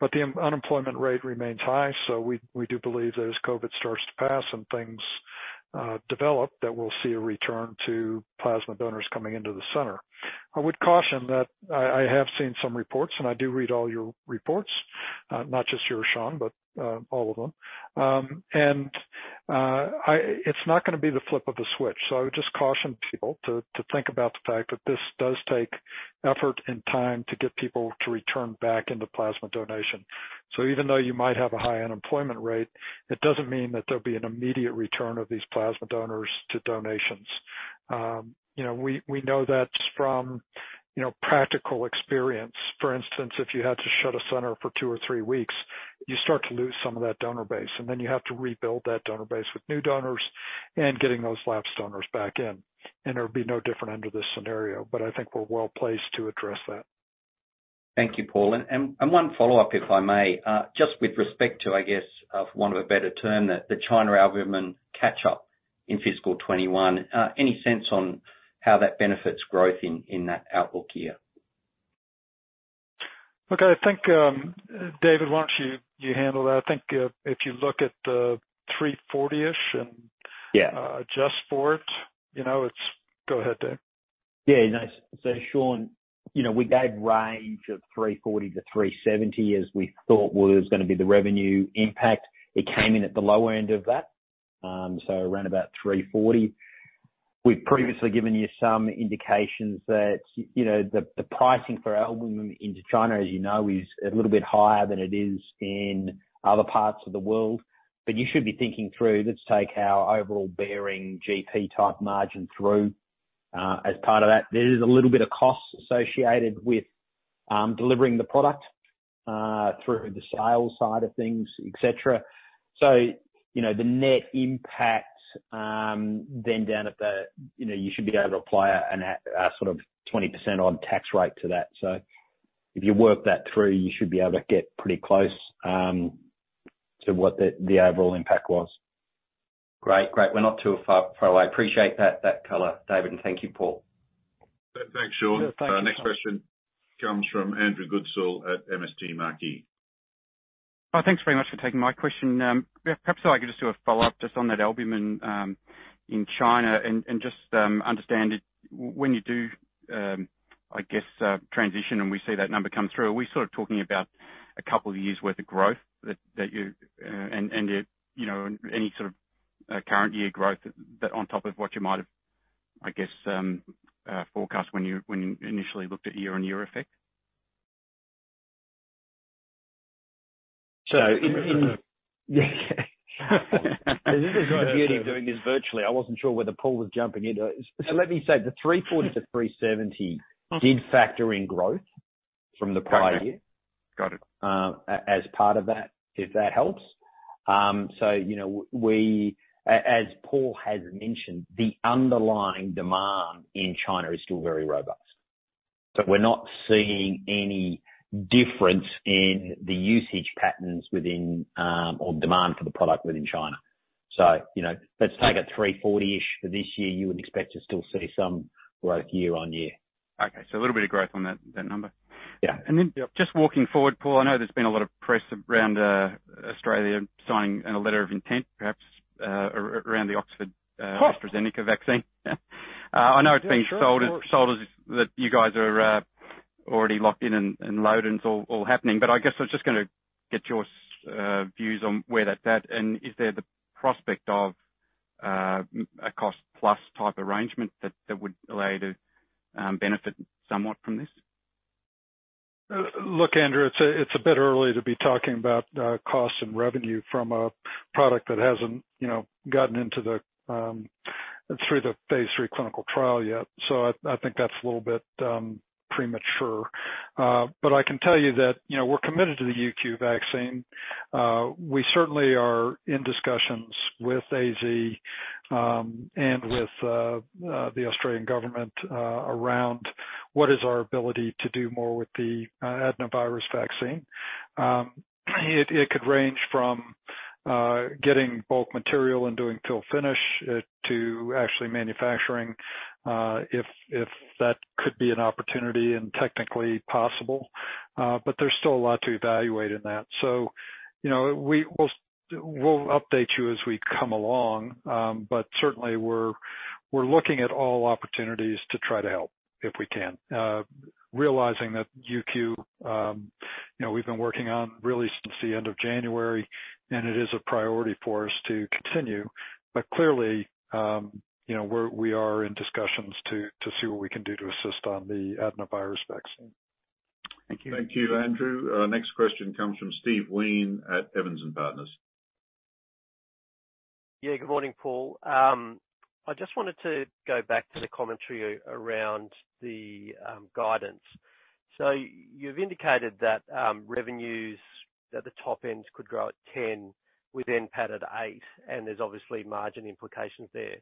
The unemployment rate remains high, we do believe that as COVID starts to pass and things develop, that we'll see a return to plasma donors coming into the center. I would caution that I have seen some reports, I do read all your reports, not just yours, Sean, but all of them. It's not going to be the flip of a switch. I would just caution people to think about the fact that this does take effort and time to get people to return back into plasma donation. Even though you might have a high unemployment rate, it doesn't mean that there'll be an immediate return of these plasma donors to donations. We know that from practical experience. For instance, if you had to shut a center for two or three weeks, you start to lose some of that donor base, and then you have to rebuild that donor base with new donors and getting those lapsed donors back in. It would be no different under this scenario. I think we're well-placed to address that. Thank you Paul, and one follow-up, if I may. Just with respect to, I guess, for want of a better term, the China albumin catch-up in fiscal 2021, any sense on how that benefits growth in that outlook year? Okay. I think, David, why don't you handle that? I think if you look at the 340-ish. Yeah adjust for it. Go ahead David. Yeah, no. Sean, we gave a range of 340-370 as we thought was going to be the revenue impact. It came in at the low end of that, around about 340. We've previously given you some indications that the pricing for Alburex into China, as you know, is a little bit higher than it is in other parts of the world. You should be thinking through, let's take our overall CSL Behring GP-type margin through, as part of that. There is a little bit of cost associated with delivering the product through the sales side of things, et cetera. The net impact then down at the, you should be able to apply a sort of 20% odd tax rate to that. If you work that through, you should be able to get pretty close to what the overall impact was. Great. We're not too far away. Appreciate that color David. Thank you Paul. Thanks, Sean. Yeah. Thank you. Next question comes from Andrew Goodsall at MST Marquee. Oh, thanks very much for taking my question. Perhaps if I could just do a follow-up just on that albumin in China and just understand it. When you do, I guess, transition and we see that number come through, are we sort of talking about a couple of years' worth of growth, and any sort of current year growth on top of what you might have, I guess, forecast when you initially looked at year-on-year effect? This is the beauty of doing this virtually. I wasn't sure whether Paul was jumping in. Let me say, the 340-370 did factor in growth from the prior year. Got it. As part of that, if that helps. As Paul has mentioned, the underlying demand in China is still very robust. We're not seeing any difference in the usage patterns or demand for the product within China. Let's take it 340-ish for this year, you would expect to still see some growth year-on-year. Okay. A little bit of growth on that number. Yeah. Just walking forward, Paul, I know there's been a lot of press around Australia signing a letter of intent, perhaps, around the Oxford AstraZeneca vaccine. Yeah. I know it's being sold that you guys are already locked in and loaded, and it's all happening. I guess I was just going to get your views on where that's at, and is there the prospect of a cost-plus type arrangement that would allow you to benefit somewhat from this? Andrew, it's a bit early to be talking about cost and revenue from a product that hasn't gotten through the phase III clinical trial yet. I think that's a little bit premature. I can tell you that we're committed to the UQ vaccine. We certainly are in discussions with AZ and with the Australian Government around what is our ability to do more with the adenovirus vaccine. It could range from getting bulk material and doing fill finish to actually manufacturing, if that could be an opportunity and technically possible. There's still a lot to evaluate in that. We'll update you as we come along. Certainly, we're looking at all opportunities to try to help if we can. Realizing that UQ. We've been working on really since the end of January, and it is a priority for us to continue. Clearly, we are in discussions to see what we can do to assist on the adenovirus vaccine. Thank you. Thank you Andrew. Our next question comes from Steve Wheen at Evans & Partners. Yeah. Good morning Paul. I just wanted to go back to the commentary around the guidance. You've indicated that revenues at the top end could grow at 10%, we then padded 8%, and there's obviously margin implications there.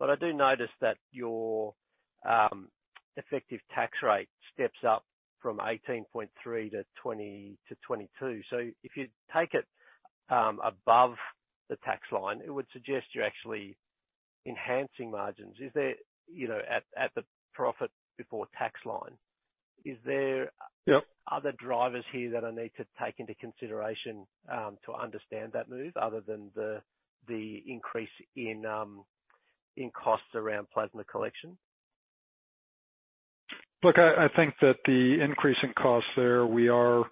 I do notice that your effective tax rate steps up from 18.3%-22%. If you take it above the tax line, it would suggest you're actually enhancing margins. At the profit before tax line, is there- Yep ...other drivers here that I need to take into consideration to understand that move other than the increase in costs around plasma collection? Look, I think that the increase in costs there, we are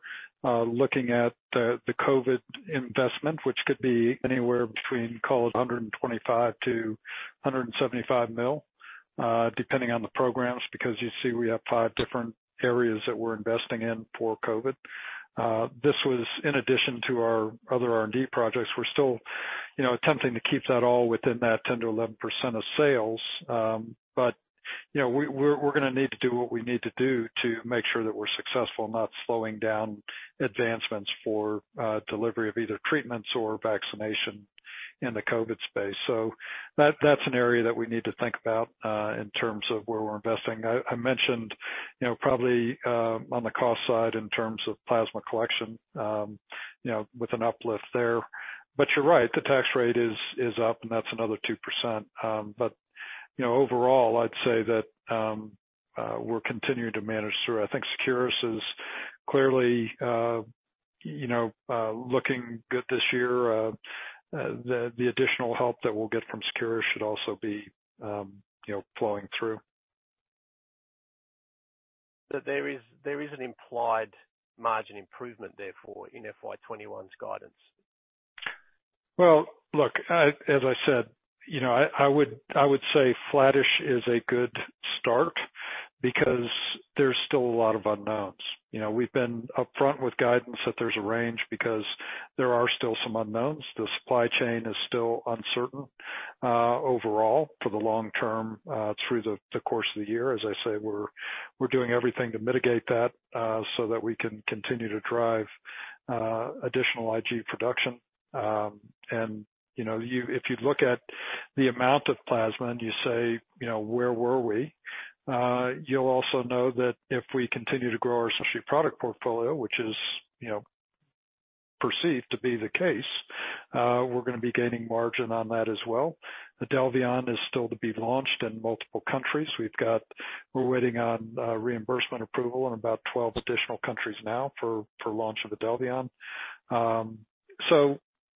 looking at the COVID investment, which could be anywhere between, call it, 125 million-175 million, depending on the programs. You see, we have five different areas that we're investing in for COVID. This was in addition to our other R&D projects. We're still attempting to keep that all within that 10%-11% of sales. We're going to need to do what we need to do to make sure that we're successful and not slowing down advancements for delivery of either treatments or vaccination in the COVID space. That's an area that we need to think about, in terms of where we're investing. I mentioned, probably, on the cost side in terms of plasma collection with an uplift there. You're right, the tax rate is up, and that's another 2%. Overall, I'd say that we're continuing to manage through. I think Seqirus is clearly looking good this year. The additional help that we'll get from Seqirus should also be flowing through. There is an implied margin improvement, therefore, in FY 2021's guidance. Well, look, as I said, I would say flattish is a good start because there's still a lot of unknowns. We've been upfront with guidance that there's a range because there are still some unknowns. The supply chain is still uncertain overall for the long term, through the course of the year. As I say, we're doing everything to mitigate that so that we can continue to drive additional IG production. If you look at the amount of plasma and you say, "Where were we?" You'll also know that if we continue to grow our associate product portfolio, which is perceived to be the case, we're going to be gaining margin on that as well. IDELVION is still to be launched in multiple countries. We're waiting on reimbursement approval in about 12 additional countries now for launch of IDELVION.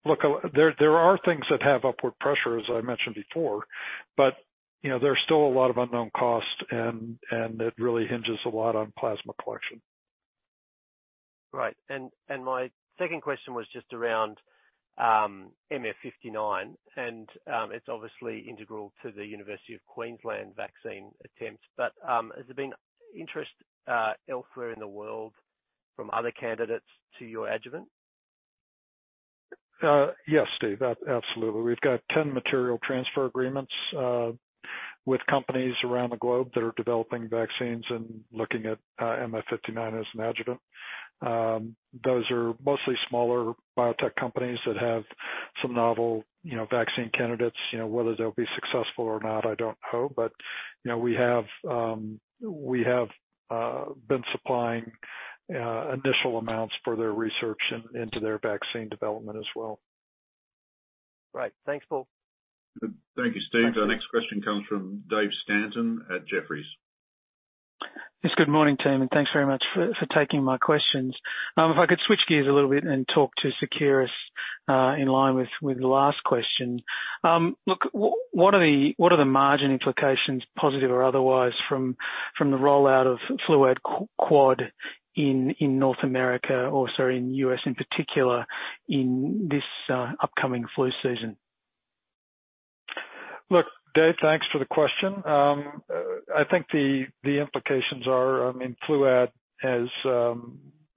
Look, there are things that have upward pressure, as I mentioned before, but there are still a lot of unknown costs and it really hinges a lot on plasma collection. Right. My second question was just around MF59, and it is obviously integral to the University of Queensland vaccine attempt. Has there been interest elsewhere in the world from other candidates to your adjuvant? Yes Steve. Absolutely. We've got 10 material transfer agreements with companies around the globe that are developing vaccines and looking at MF59 as an adjuvant. Those are mostly smaller biotech companies that have some novel vaccine candidates. Whether they'll be successful or not, I don't know. We have been supplying initial amounts for their research into their vaccine development as well. Right. Thanks Paul. Thank you Steve. Our next question comes from David Stanton at Jefferies. Yes. Good morning, team, and thanks very much for taking my questions. If I could switch gears a little bit and talk to Seqirus in line with the last question. Look, what are the margin implications, positive or otherwise, from the rollout of FLUAD QUADRIVALENT in North America, or sorry, in U.S. in particular, in this upcoming flu season? Look, Dave, thanks for the question. I think the implications are, FLUAD, as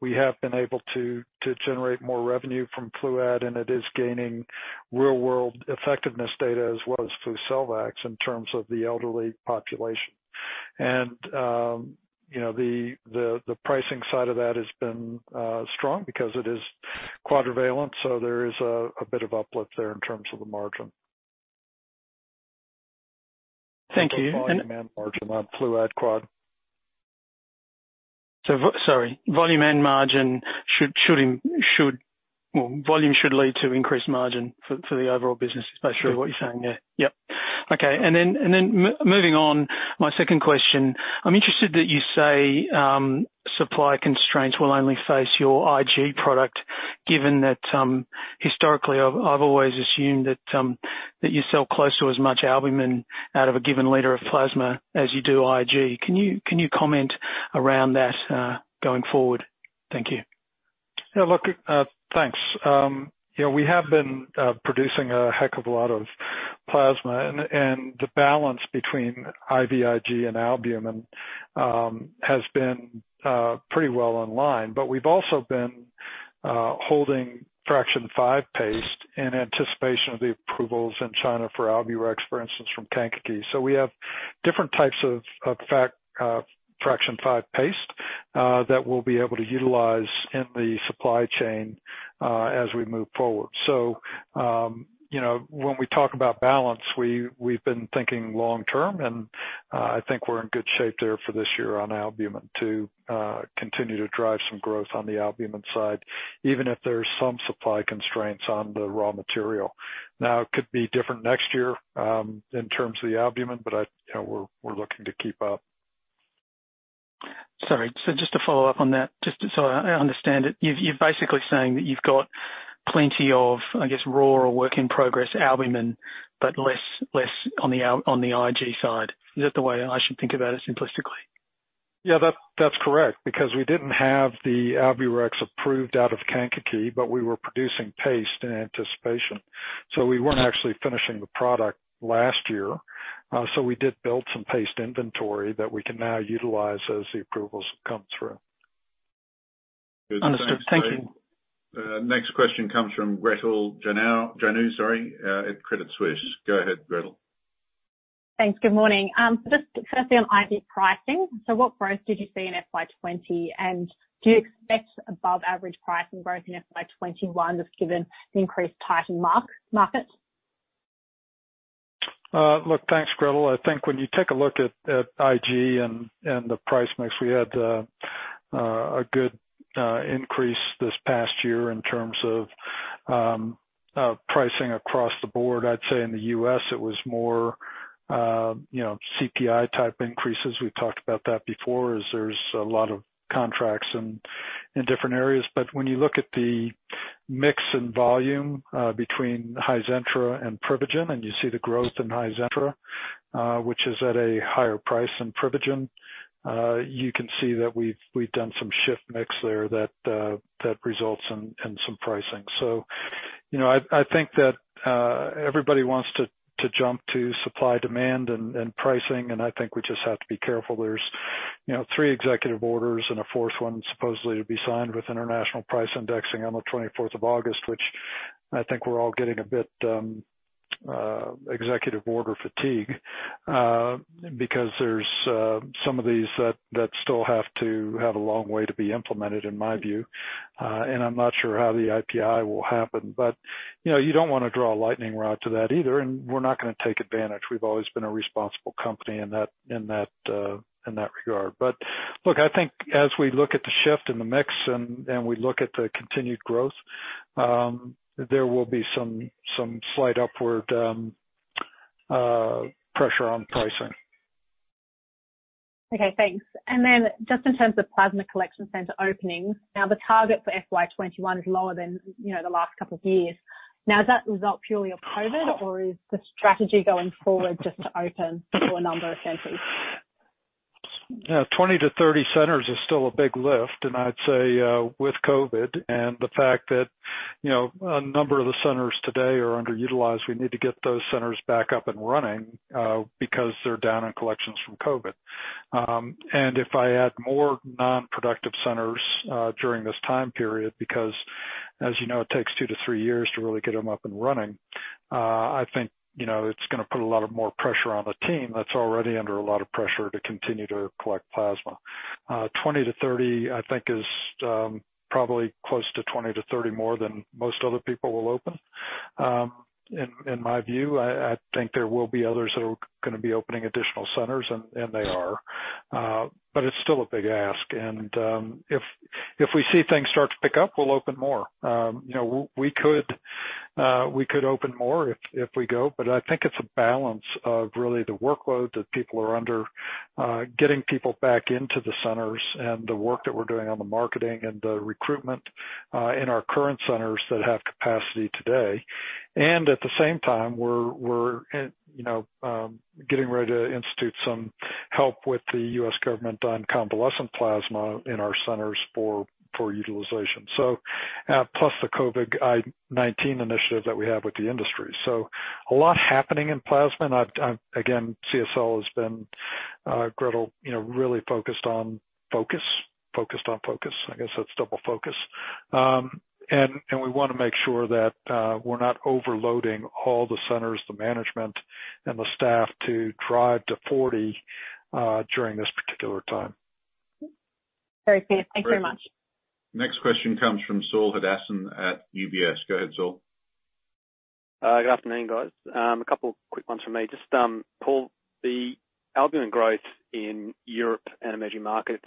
we have been able to generate more revenue from FLUAD, and it is gaining real-world effectiveness data as well as FLUCELVAX in terms of the elderly population. The pricing side of that has been strong because it is quadrivalent, so there is a bit of uplift there in terms of the margin. Thank you. margin on FLUAD QUADRIVALENT. Sorry. Volume should lead to increased margin for the overall business, is basically what you're saying, yeah? Sure. Yep. Okay. Moving on, my second question. I'm interested that you say supply constraints will only face your IG product, given that historically I've always assumed that you sell close to as much albumin out of a given liter of plasma as you do IG. Can you comment around that going forward? Thank you. Yeah, look, thanks. We have been producing a heck of a lot of plasma and the balance between IVIG and albumin has been pretty well in line. We've also been holding fraction V paste in anticipation of the approvals in China for Alburex, for instance, from Kankakee. We have different types of fraction V paste that we'll be able to utilize in the supply chain as we move forward. When we talk about balance, we've been thinking long-term, and I think we're in good shape there for this year on albumin to continue to drive some growth on the albumin side, even if there's some supply constraints on the raw material. Now, it could be different next year, in terms of the albumin, but we're looking to keep up. Sorry. Just to follow up on that, just so I understand it, you're basically saying that you've got plenty of, I guess, raw or work in progress albumin, but less on the IG side. Is that the way I should think about it simplistically? Yeah, that's correct, because we didn't have the Alburex approved out of Kankakee, but we were producing paste in anticipation. We weren't actually finishing the product last year. We did build some paste inventory that we can now utilize as the approvals come through. Understood. Thank you. Next question comes from Gretel Janu at Credit Suisse. Go ahead Gretel. Thanks. Good morning. Just firstly on IG pricing. What growth did you see in FY 2020? Do you expect above average pricing growth in FY 2021 just given the increased tightened markets? Look, thanks Gretel. I think when you take a look at IG and the price mix, we had a good increase this past year in terms of pricing across the board. I'd say in the U.S. it was more CPI type increases. We've talked about that before, as there's a lot of contracts in different areas. When you look at the mix and volume between Hizentra and Privigen, and you see the growth in Hizentra, which is at a higher price than Privigen, you can see that we've done some shift mix there that results in some pricing. I think that everybody wants to jump to supply-demand and pricing, and I think we just have to be careful. There's three executive orders and a fourth one supposedly to be signed with international price indexing on the 24th of August, which I think we're all getting a bit executive order fatigue, because there's some of these that still have to have a long way to be implemented, in my view. I'm not sure how the IPI will happen. You don't want to draw a lightning rod to that either, and we're not going to take advantage. We've always been a responsible company in that regard. Look, I think as we look at the shift in the mix and we look at the continued growth, there will be some slight upward pressure on pricing. Okay, thanks. Just in terms of plasma collection center openings. The target for FY 2021 is lower than the last couple of years. Is that result purely of COVID or is the strategy going forward just to open fewer number of centers? Yeah, 20-30 centers is still a big lift. I'd say with COVID and the fact that a number of the centers today are underutilized, we need to get those centers back up and running, because they're down in collections from COVID. If I add more non-productive centers during this time period, because as you know, it takes two to three years to really get them up and running, I think it's going to put a lot of more pressure on the team that's already under a lot of pressure to continue to collect plasma. 20-30, I think, is probably close to 20-30 more than most other people will open. In my view, I think there will be others that are going to be opening additional centers and they are. It's still a big ask. If we see things start to pick up, we'll open more. We could open more if we go, but I think it's a balance of really the workload that people are under, getting people back into the centers, and the work that we're doing on the marketing and the recruitment in our current centers that have capacity today. At the same time, we're getting ready to institute some help with the U.S. government on convalescent plasma in our centers for utilization. Plus the COVID-19 initiative that we have with the industry. A lot happening in plasma, and again, CSL has been, Gretel, really focused on focus. Focused on focus. I guess that's double focus. We want to make sure that we're not overloading all the centers, the management, and the staff to drive to 40 during this particular time. Very clear. Thank you very much. Next question comes from Saul Hadassin at UBS. Go ahead Saul. Good afternoon guys. A couple quick ones from me. Just, Paul, the albumin growth in Europe and emerging markets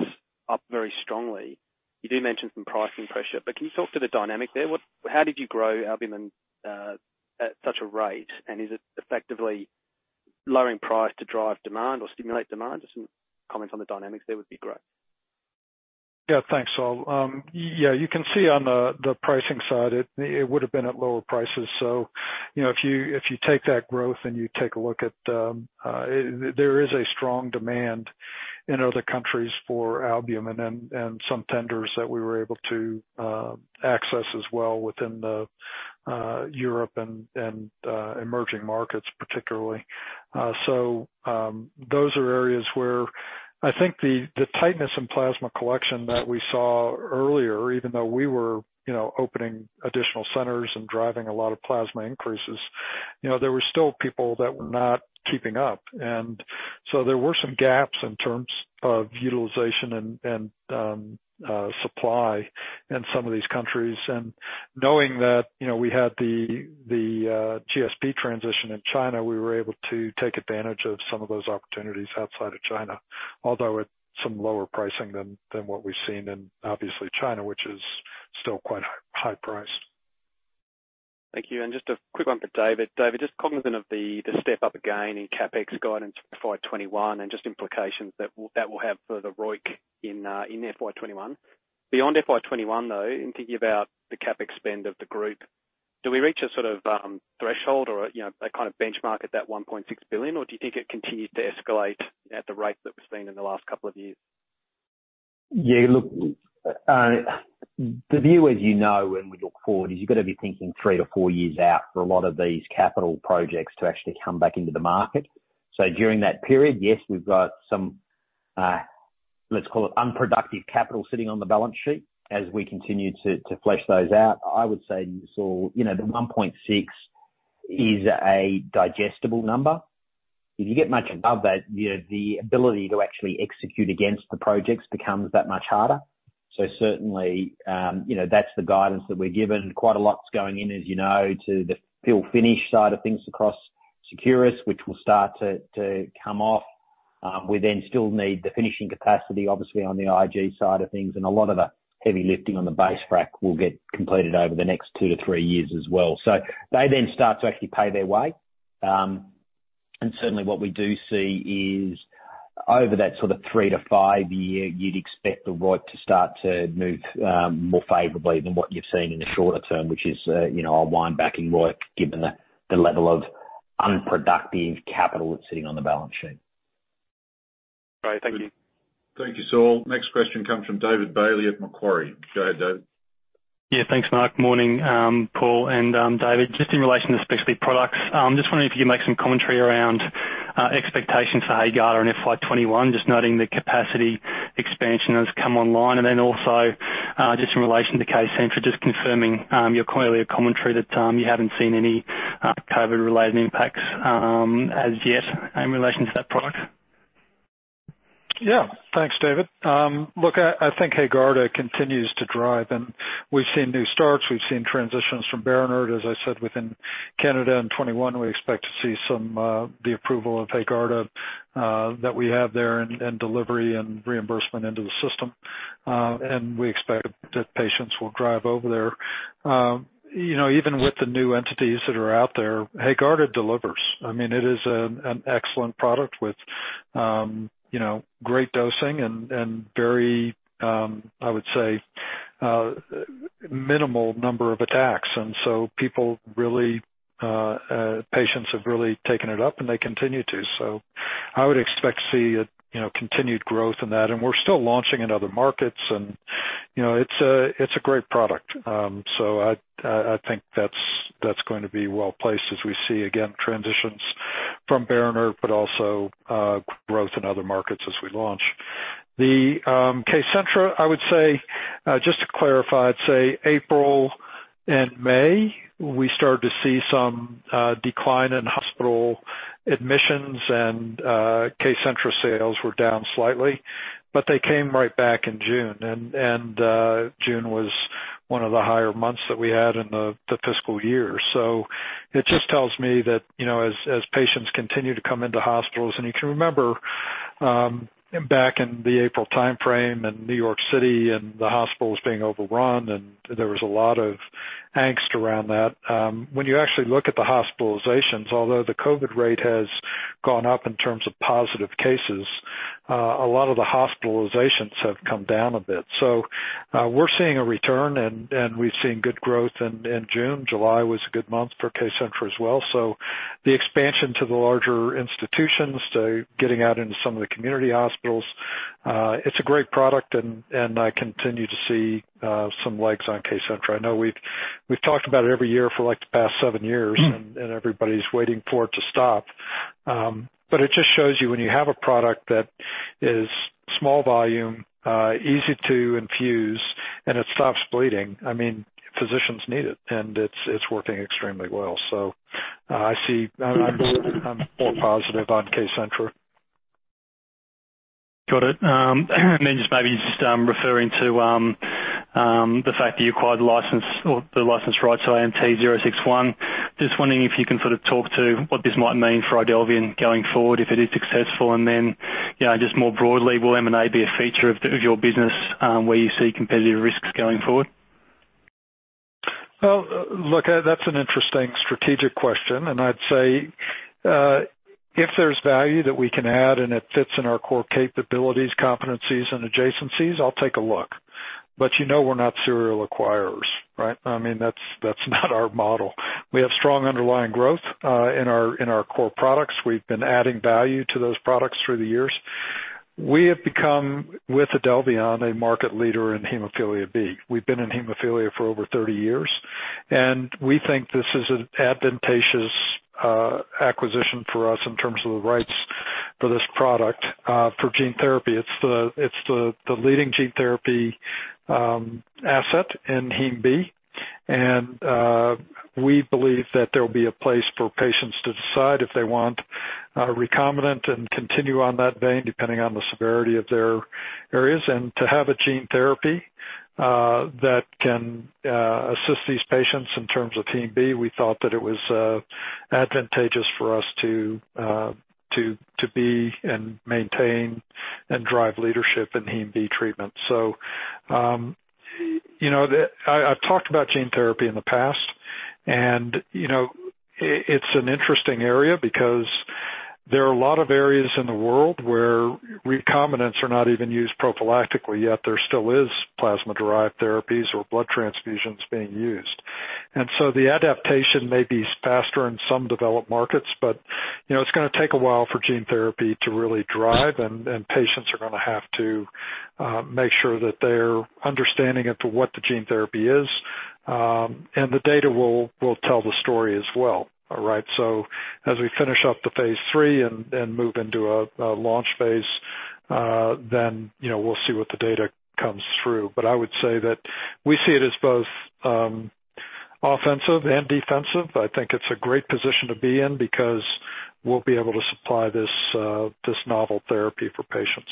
up very strongly. You do mention some pricing pressure. Can you talk to the dynamic there? How did you grow albumin at such a rate? Is it effectively lowering price to drive demand or stimulate demand? Just some comments on the dynamics there would be great. Yeah, thanks Saul. Yeah, you can see on the pricing side, it would've been at lower prices. If you take that growth and there is a strong demand in other countries for albumin and some tenders that we were able to access as well within Europe and emerging markets particularly. Those are areas where I think the tightness in plasma collection that we saw earlier, even though we were opening additional centers and driving a lot of plasma increases. There were still people that were not keeping up. There were some gaps in terms of utilization and supply in some of these countries. Knowing that we have the GSP transition in China, we were able to take advantage of some of those opportunities outside of China, although at some lower pricing than what we've seen in obviously China, which is still quite high-priced. Thank you. Just a quick one for David. David, just cognizant of the step-up again in CapEx guidance for FY 2021 and just implications that will have for the ROIC in FY 2021. Beyond FY 2021, though, in thinking about the CapEx spend of the group, do we reach a sort of threshold or a kind of benchmark at that 1.6 billion, or do you think it continues to escalate at the rate that we've seen in the last couple of years? Look. The view, as you know, when we look forward is you've got to be thinking three to four years out for a lot of these capital projects to actually come back into the market. During that period, yes, we've got some, let's call it unproductive capital sitting on the balance sheet as we continue to flesh those out. I would say to you, Saul, the 1.6 billion is a digestible number. If you get much above that, the ability to actually execute against the projects becomes that much harder. Certainly, that's the guidance that we're given. Quite a lot's going in, as you know, to the field finish side of things across Seqirus, which will start to come off. We then still need the finishing capacity, obviously, on the IG side of things, and a lot of the heavy lifting on the base frac will get completed over the next two to three years as well. They then start to actually pay their way. Certainly what we do see is over that sort of 3-5 year, you'd expect the ROIC to start to move more favorably than what you've seen in the shorter term, which is our wind backing ROIC, given the level of unproductive capital that's sitting on the balance sheet. Great. Thank you. Thank you Saul. Next question comes from David Bailey at Macquarie. Go ahead David. Yeah, thanks Mark. Morning Paul and David. Just in relation to specialty products, I'm just wondering if you could make some commentary around expectations for HAEGARDA in FY 2021, just noting the capacity expansion has come online. Just in relation to KCENTRA, just confirming your earlier commentary that you haven't seen any COVID-related impacts as yet in relation to that product. Thanks David. I think HAEGARDA continues to drive and we've seen new starts. We've seen transitions from BERINERT, as I said, within Canada. In 2021, we expect to see the approval of HAEGARDA that we have there and delivery and reimbursement into the system. We expect that patients will drive over there. Even with the new entities that are out there, HAEGARDA delivers. It is an excellent product with great dosing and very, I would say, minimal number of attacks. Patients have really taken it up and they continue to. I would expect to see continued growth in that. We're still launching in other markets, and it's a great product. I think that's going to be well-placed as we see, again, transitions from BERINERT, but also growth in other markets as we launch. KCENTRA, just to clarify, I'd say April and May, we started to see some decline in hospital admissions and KCENTRA sales were down slightly. They came right back in June, and June was one of the higher months that we had in the fiscal year. It just tells me that as patients continue to come into hospitals You can remember back in the April timeframe in New York City and the hospitals being overrun, and there was a lot of angst around that. When you actually look at the hospitalizations, although the COVID rate has gone up in terms of positive cases, a lot of the hospitalizations have come down a bit. We're seeing a return and we've seen good growth in June. July was a good month for KCENTRA as well. The expansion to the larger institutions, to getting out into some of the community hospitals, it's a great product and I continue to see some legs on KCENTRA. I know we've talked about it every year for the past seven years and everybody's waiting for it to stop. It just shows you when you have a product that is small volume, easy to infuse, and it stops bleeding, physicians need it, and it's working extremely well. I'm more positive on KCENTRA. Got it. Just maybe just referring to the fact that you acquired the license or the license rights to AMT-061. Just wondering if you can sort of talk to what this might mean for IDELVION going forward if it is successful. Just more broadly, will M&A be a feature of your business where you see competitive risks going forward? Well, look, that's an interesting strategic question. I'd say, if there's value that we can add and it fits in our core capabilities, competencies, and adjacencies, I'll take a look. You know we're not serial acquirers, right? I mean, that's not our model. We have strong underlying growth in our core products. We've been adding value to those products through the years. We have become, with IDELVION, a market leader in hemophilia B. We've been in hemophilia for over 30 years. We think this is an advantageous acquisition for us in terms of the rights for this product for gene therapy. It's the leading gene therapy asset in hem B. We believe that there'll be a place for patients to decide if they want recombinant and continue on that vein, depending on the severity of their areas. To have a gene therapy that can assist these patients in terms of hemB, we thought that it was advantageous for us to be and maintain and drive leadership in hemB treatment. So, I've talked about gene therapy in the past, and it's an interesting area because there are a lot of areas in the world where recombinants are not even used prophylactically yet. There still is plasma-derived therapies or blood transfusions being used. So the adaptation may be faster in some developed markets, but it's going to take a while for gene therapy to really drive, and patients are going to have to make sure that they're understanding as to what the gene therapy is. And the data will tell the story as well. All right? As we finish up the phase III and move into a launch phase, we'll see what the data comes through. I would say that we see it as both offensive and defensive. I think it's a great position to be in because we'll be able to supply this novel therapy for patients.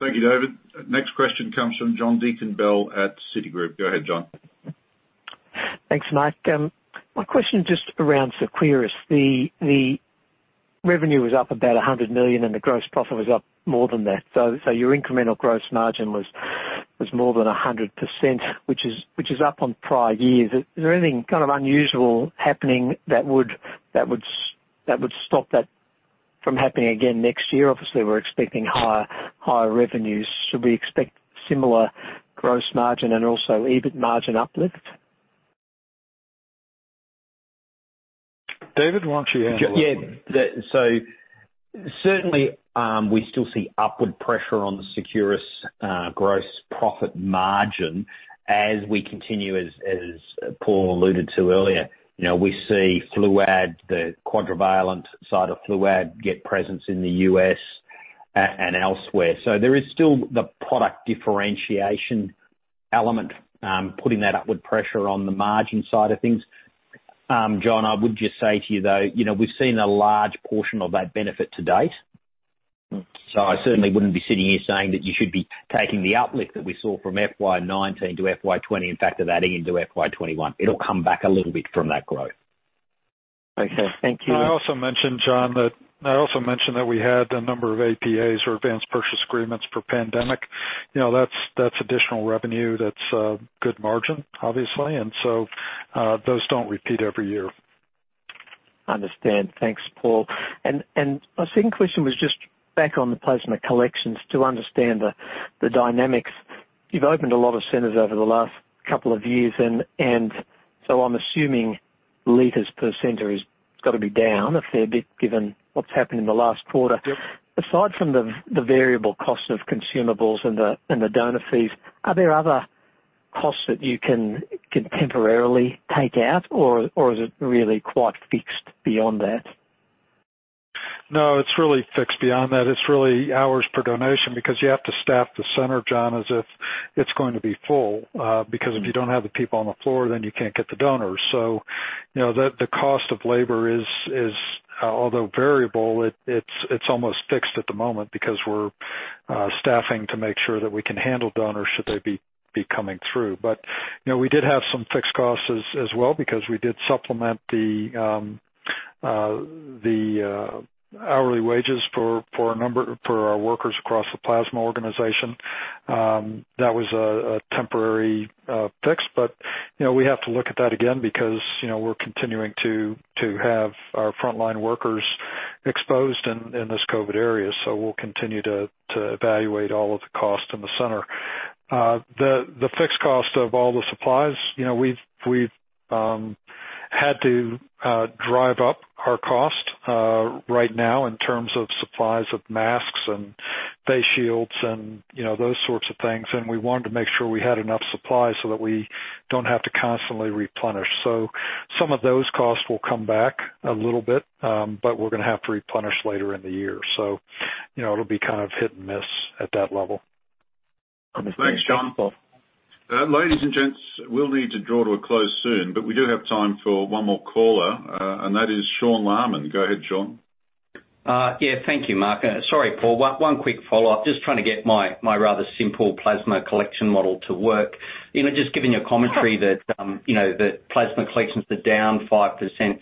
Thank you David. Next question comes from John Deakin-Bell at Citigroup. Go ahead, John. Thanks Mark. My question just around Seqirus. The revenue was up about 100 million, and the gross profit was up more than that. Your incremental gross margin was more than 100%, which is up on prior years. Is there anything kind of unusual happening that would stop that from happening again next year? Obviously, we're expecting higher revenues. Should we expect similar gross margin and also EBIT margin uplift? David, why don't you handle that one? Yeah. Certainly, we still see upward pressure on the Seqirus gross profit margin as we continue, as Paul alluded to earlier. We see FLUAD, the quadrivalent side of FLUAD get presence in the U.S. and elsewhere. There is still the product differentiation element, putting that upward pressure on the margin side of things. John, I would just say to you, though, we've seen a large portion of that benefit to date. I certainly wouldn't be sitting here saying that you should be taking the uplift that we saw from FY 2019 to FY 2020, and factor that in into FY 2021. It'll come back a little bit from that growth. Okay thank you. I also mentioned, John, that I also mentioned that we had a number of APAs or Advance Purchase Agreements for pandemic. That's additional revenue. That's a good margin, obviously. Those don't repeat every year. Understand. Thanks Paul. My second question was just back on the plasma collections to understand the dynamics. You've opened a lot of centers over the last couple of years, and so I'm assuming liters per center has got to be down a fair bit given what's happened in the last quarter. Yep. Aside from the variable cost of consumables and the donor fees, are there other costs that you can temporarily take out, or is it really quite fixed beyond that? No, it's really fixed beyond that. It's really hours per donation because you have to staff the center, John, as if it's going to be full. If you don't have the people on the floor, then you can't get the donors. The cost of labor is although variable, it's almost fixed at the moment because we're staffing to make sure that we can handle donors should they be coming through. We did have some fixed costs as well because we did supplement the hourly wages for our workers across the plasma organization. That was a temporary fix, but we have to look at that again because we're continuing to have our frontline workers exposed in this COVID area. We'll continue to evaluate all of the costs in the center. The fixed cost of all the supplies, we've had to drive up our cost right now in terms of supplies of masks and face shields and those sorts of things. We wanted to make sure we had enough supply so that we don't have to constantly replenish. Some of those costs will come back a little bit, but we're going to have to replenish later in the year. It'll be kind of hit and miss at that level. Understood. Thanks, John. Thanks Paul. Ladies and gents, we'll need to draw to a close soon, but we do have time for one more caller, and that is Sean Laaman. Go ahead Sean. Thank you Mark. Sorry, Paul, one quick follow-up. Just trying to get my rather simple plasma collection model to work. Just giving you a commentary that plasma collections are down 5%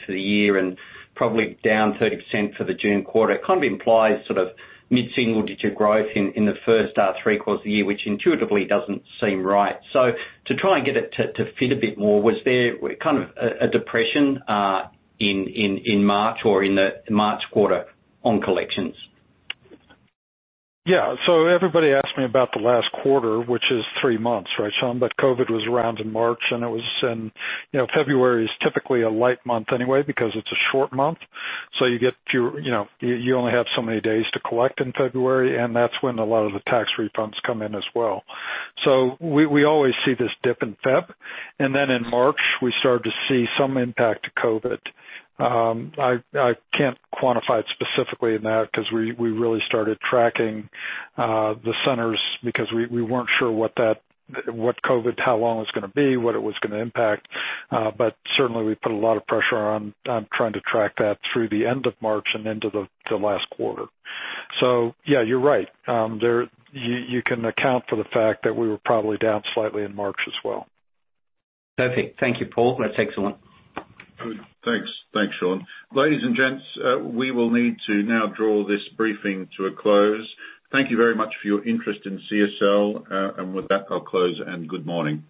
for the year and probably down 30% for the June quarter, kind of implies sort of mid-single-digit growth in the first three quarters of the year, which intuitively doesn't seem right. To try and get it to fit a bit more, was there kind of a depression in March or in the March quarter on collections? Yeah. Everybody asks me about the last quarter, which is three months, right, Sean? COVID was around in March, and it was in February is typically a light month anyway because it's a short month. You only have so many days to collect in February, and that's when a lot of the tax refunds come in as well. We always see this dip in Feb, and then in March, we started to see some impact to COVID. I can't quantify it specifically in that because we really started tracking the centers because we weren't sure what that, what COVID, how long it was going to be, what it was going to impact. Certainly, we put a lot of pressure on trying to track that through the end of March and into the last quarter. Yeah, you're right. You can account for the fact that we were probably down slightly in March as well. Perfect. Thank you Paul. That's excellent. Good. Thanks. Thanks Sean. Ladies and gents, we will need to now draw this briefing to a close. Thank you very much for your interest in CSL. With that, I'll close and good morning.